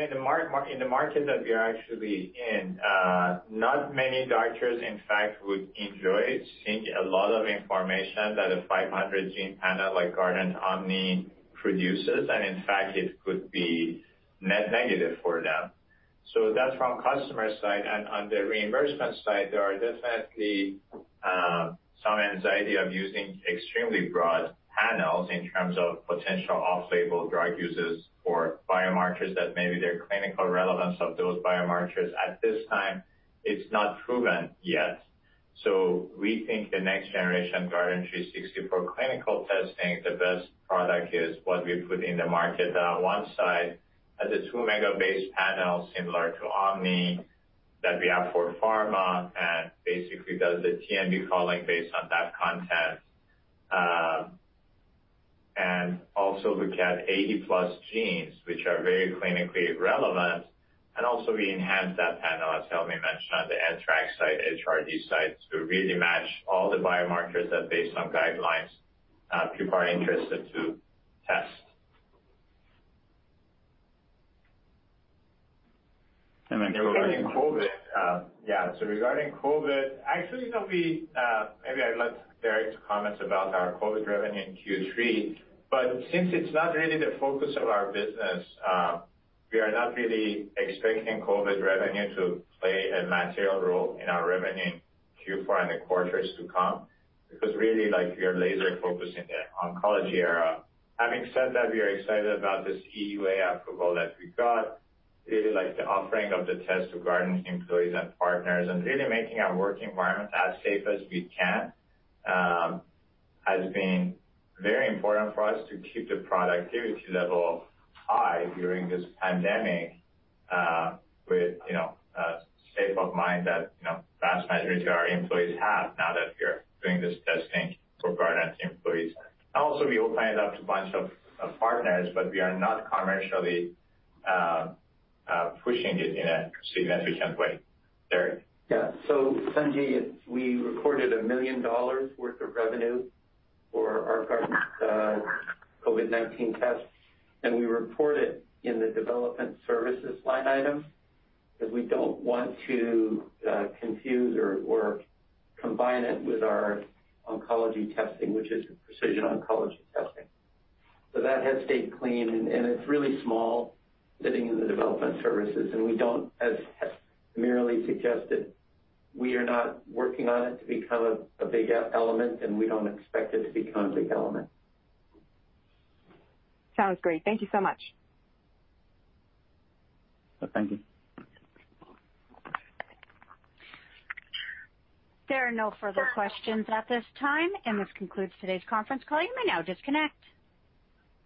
In the market that we are actually in, not many doctors, in fact, would enjoy seeing a lot of information that a 500 gene panel like GuardantOMNI produces, and in fact, it could be net negative for them. That's from customer side. On the reimbursement side, there are definitely some anxiety of using extremely broad panels in terms of potential off-label drug uses for biomarkers that maybe their clinical relevance of those biomarkers at this time, it's not proven yet. We think the next generation Guardant360 for clinical testing, the best product is what we put in the market on one side as a two megabase panel similar to GuardantOMNI that we have for pharma and basically does the TMB calling based on that content. Also look at 80+ genes, which are very clinically relevant. Also we enhance that panel, as Helmy mentioned, on the NTRK side, HRD side, to really match all the biomarkers that based on guidelines people are interested to test. Regarding COVID-19. Regarding COVID-19, actually, maybe I'd let Derek Bertocci comment about our COVID-19 revenue in Q3. Since it's not really the focus of our business, we are not really expecting COVID-19 revenue to play a material role in our revenue in Q4 and the quarters to come, because really, we are laser focused in the oncology area. Having said that, we are excited about this EUA approval that we got. The offering of the test to Guardant Health employees and partners and really making our work environment as safe as we can, has been very important for us to keep the productivity level high during this pandemic with a state of mind that vast majority of our employees have now that we are doing this testing for Guardant Health employees. We opened it up to bunch of partners, but we are not commercially pushing it in a significant way. Derek? Yeah. Sung Ji, we recorded $1 million worth of revenue for our COVID-19 test, and we report it in the development services line item, because we don't want to confuse or combine it with our oncology testing, which is precision oncology testing. That has stayed clean and it's really small sitting in the development services, and we don't, as Helmy suggested, we are not working on it to become a big element, and we don't expect it to become a big element. Sounds great. Thank you so much. Thank you. There are no further questions at this time, and this concludes today's conference call. You may now disconnect.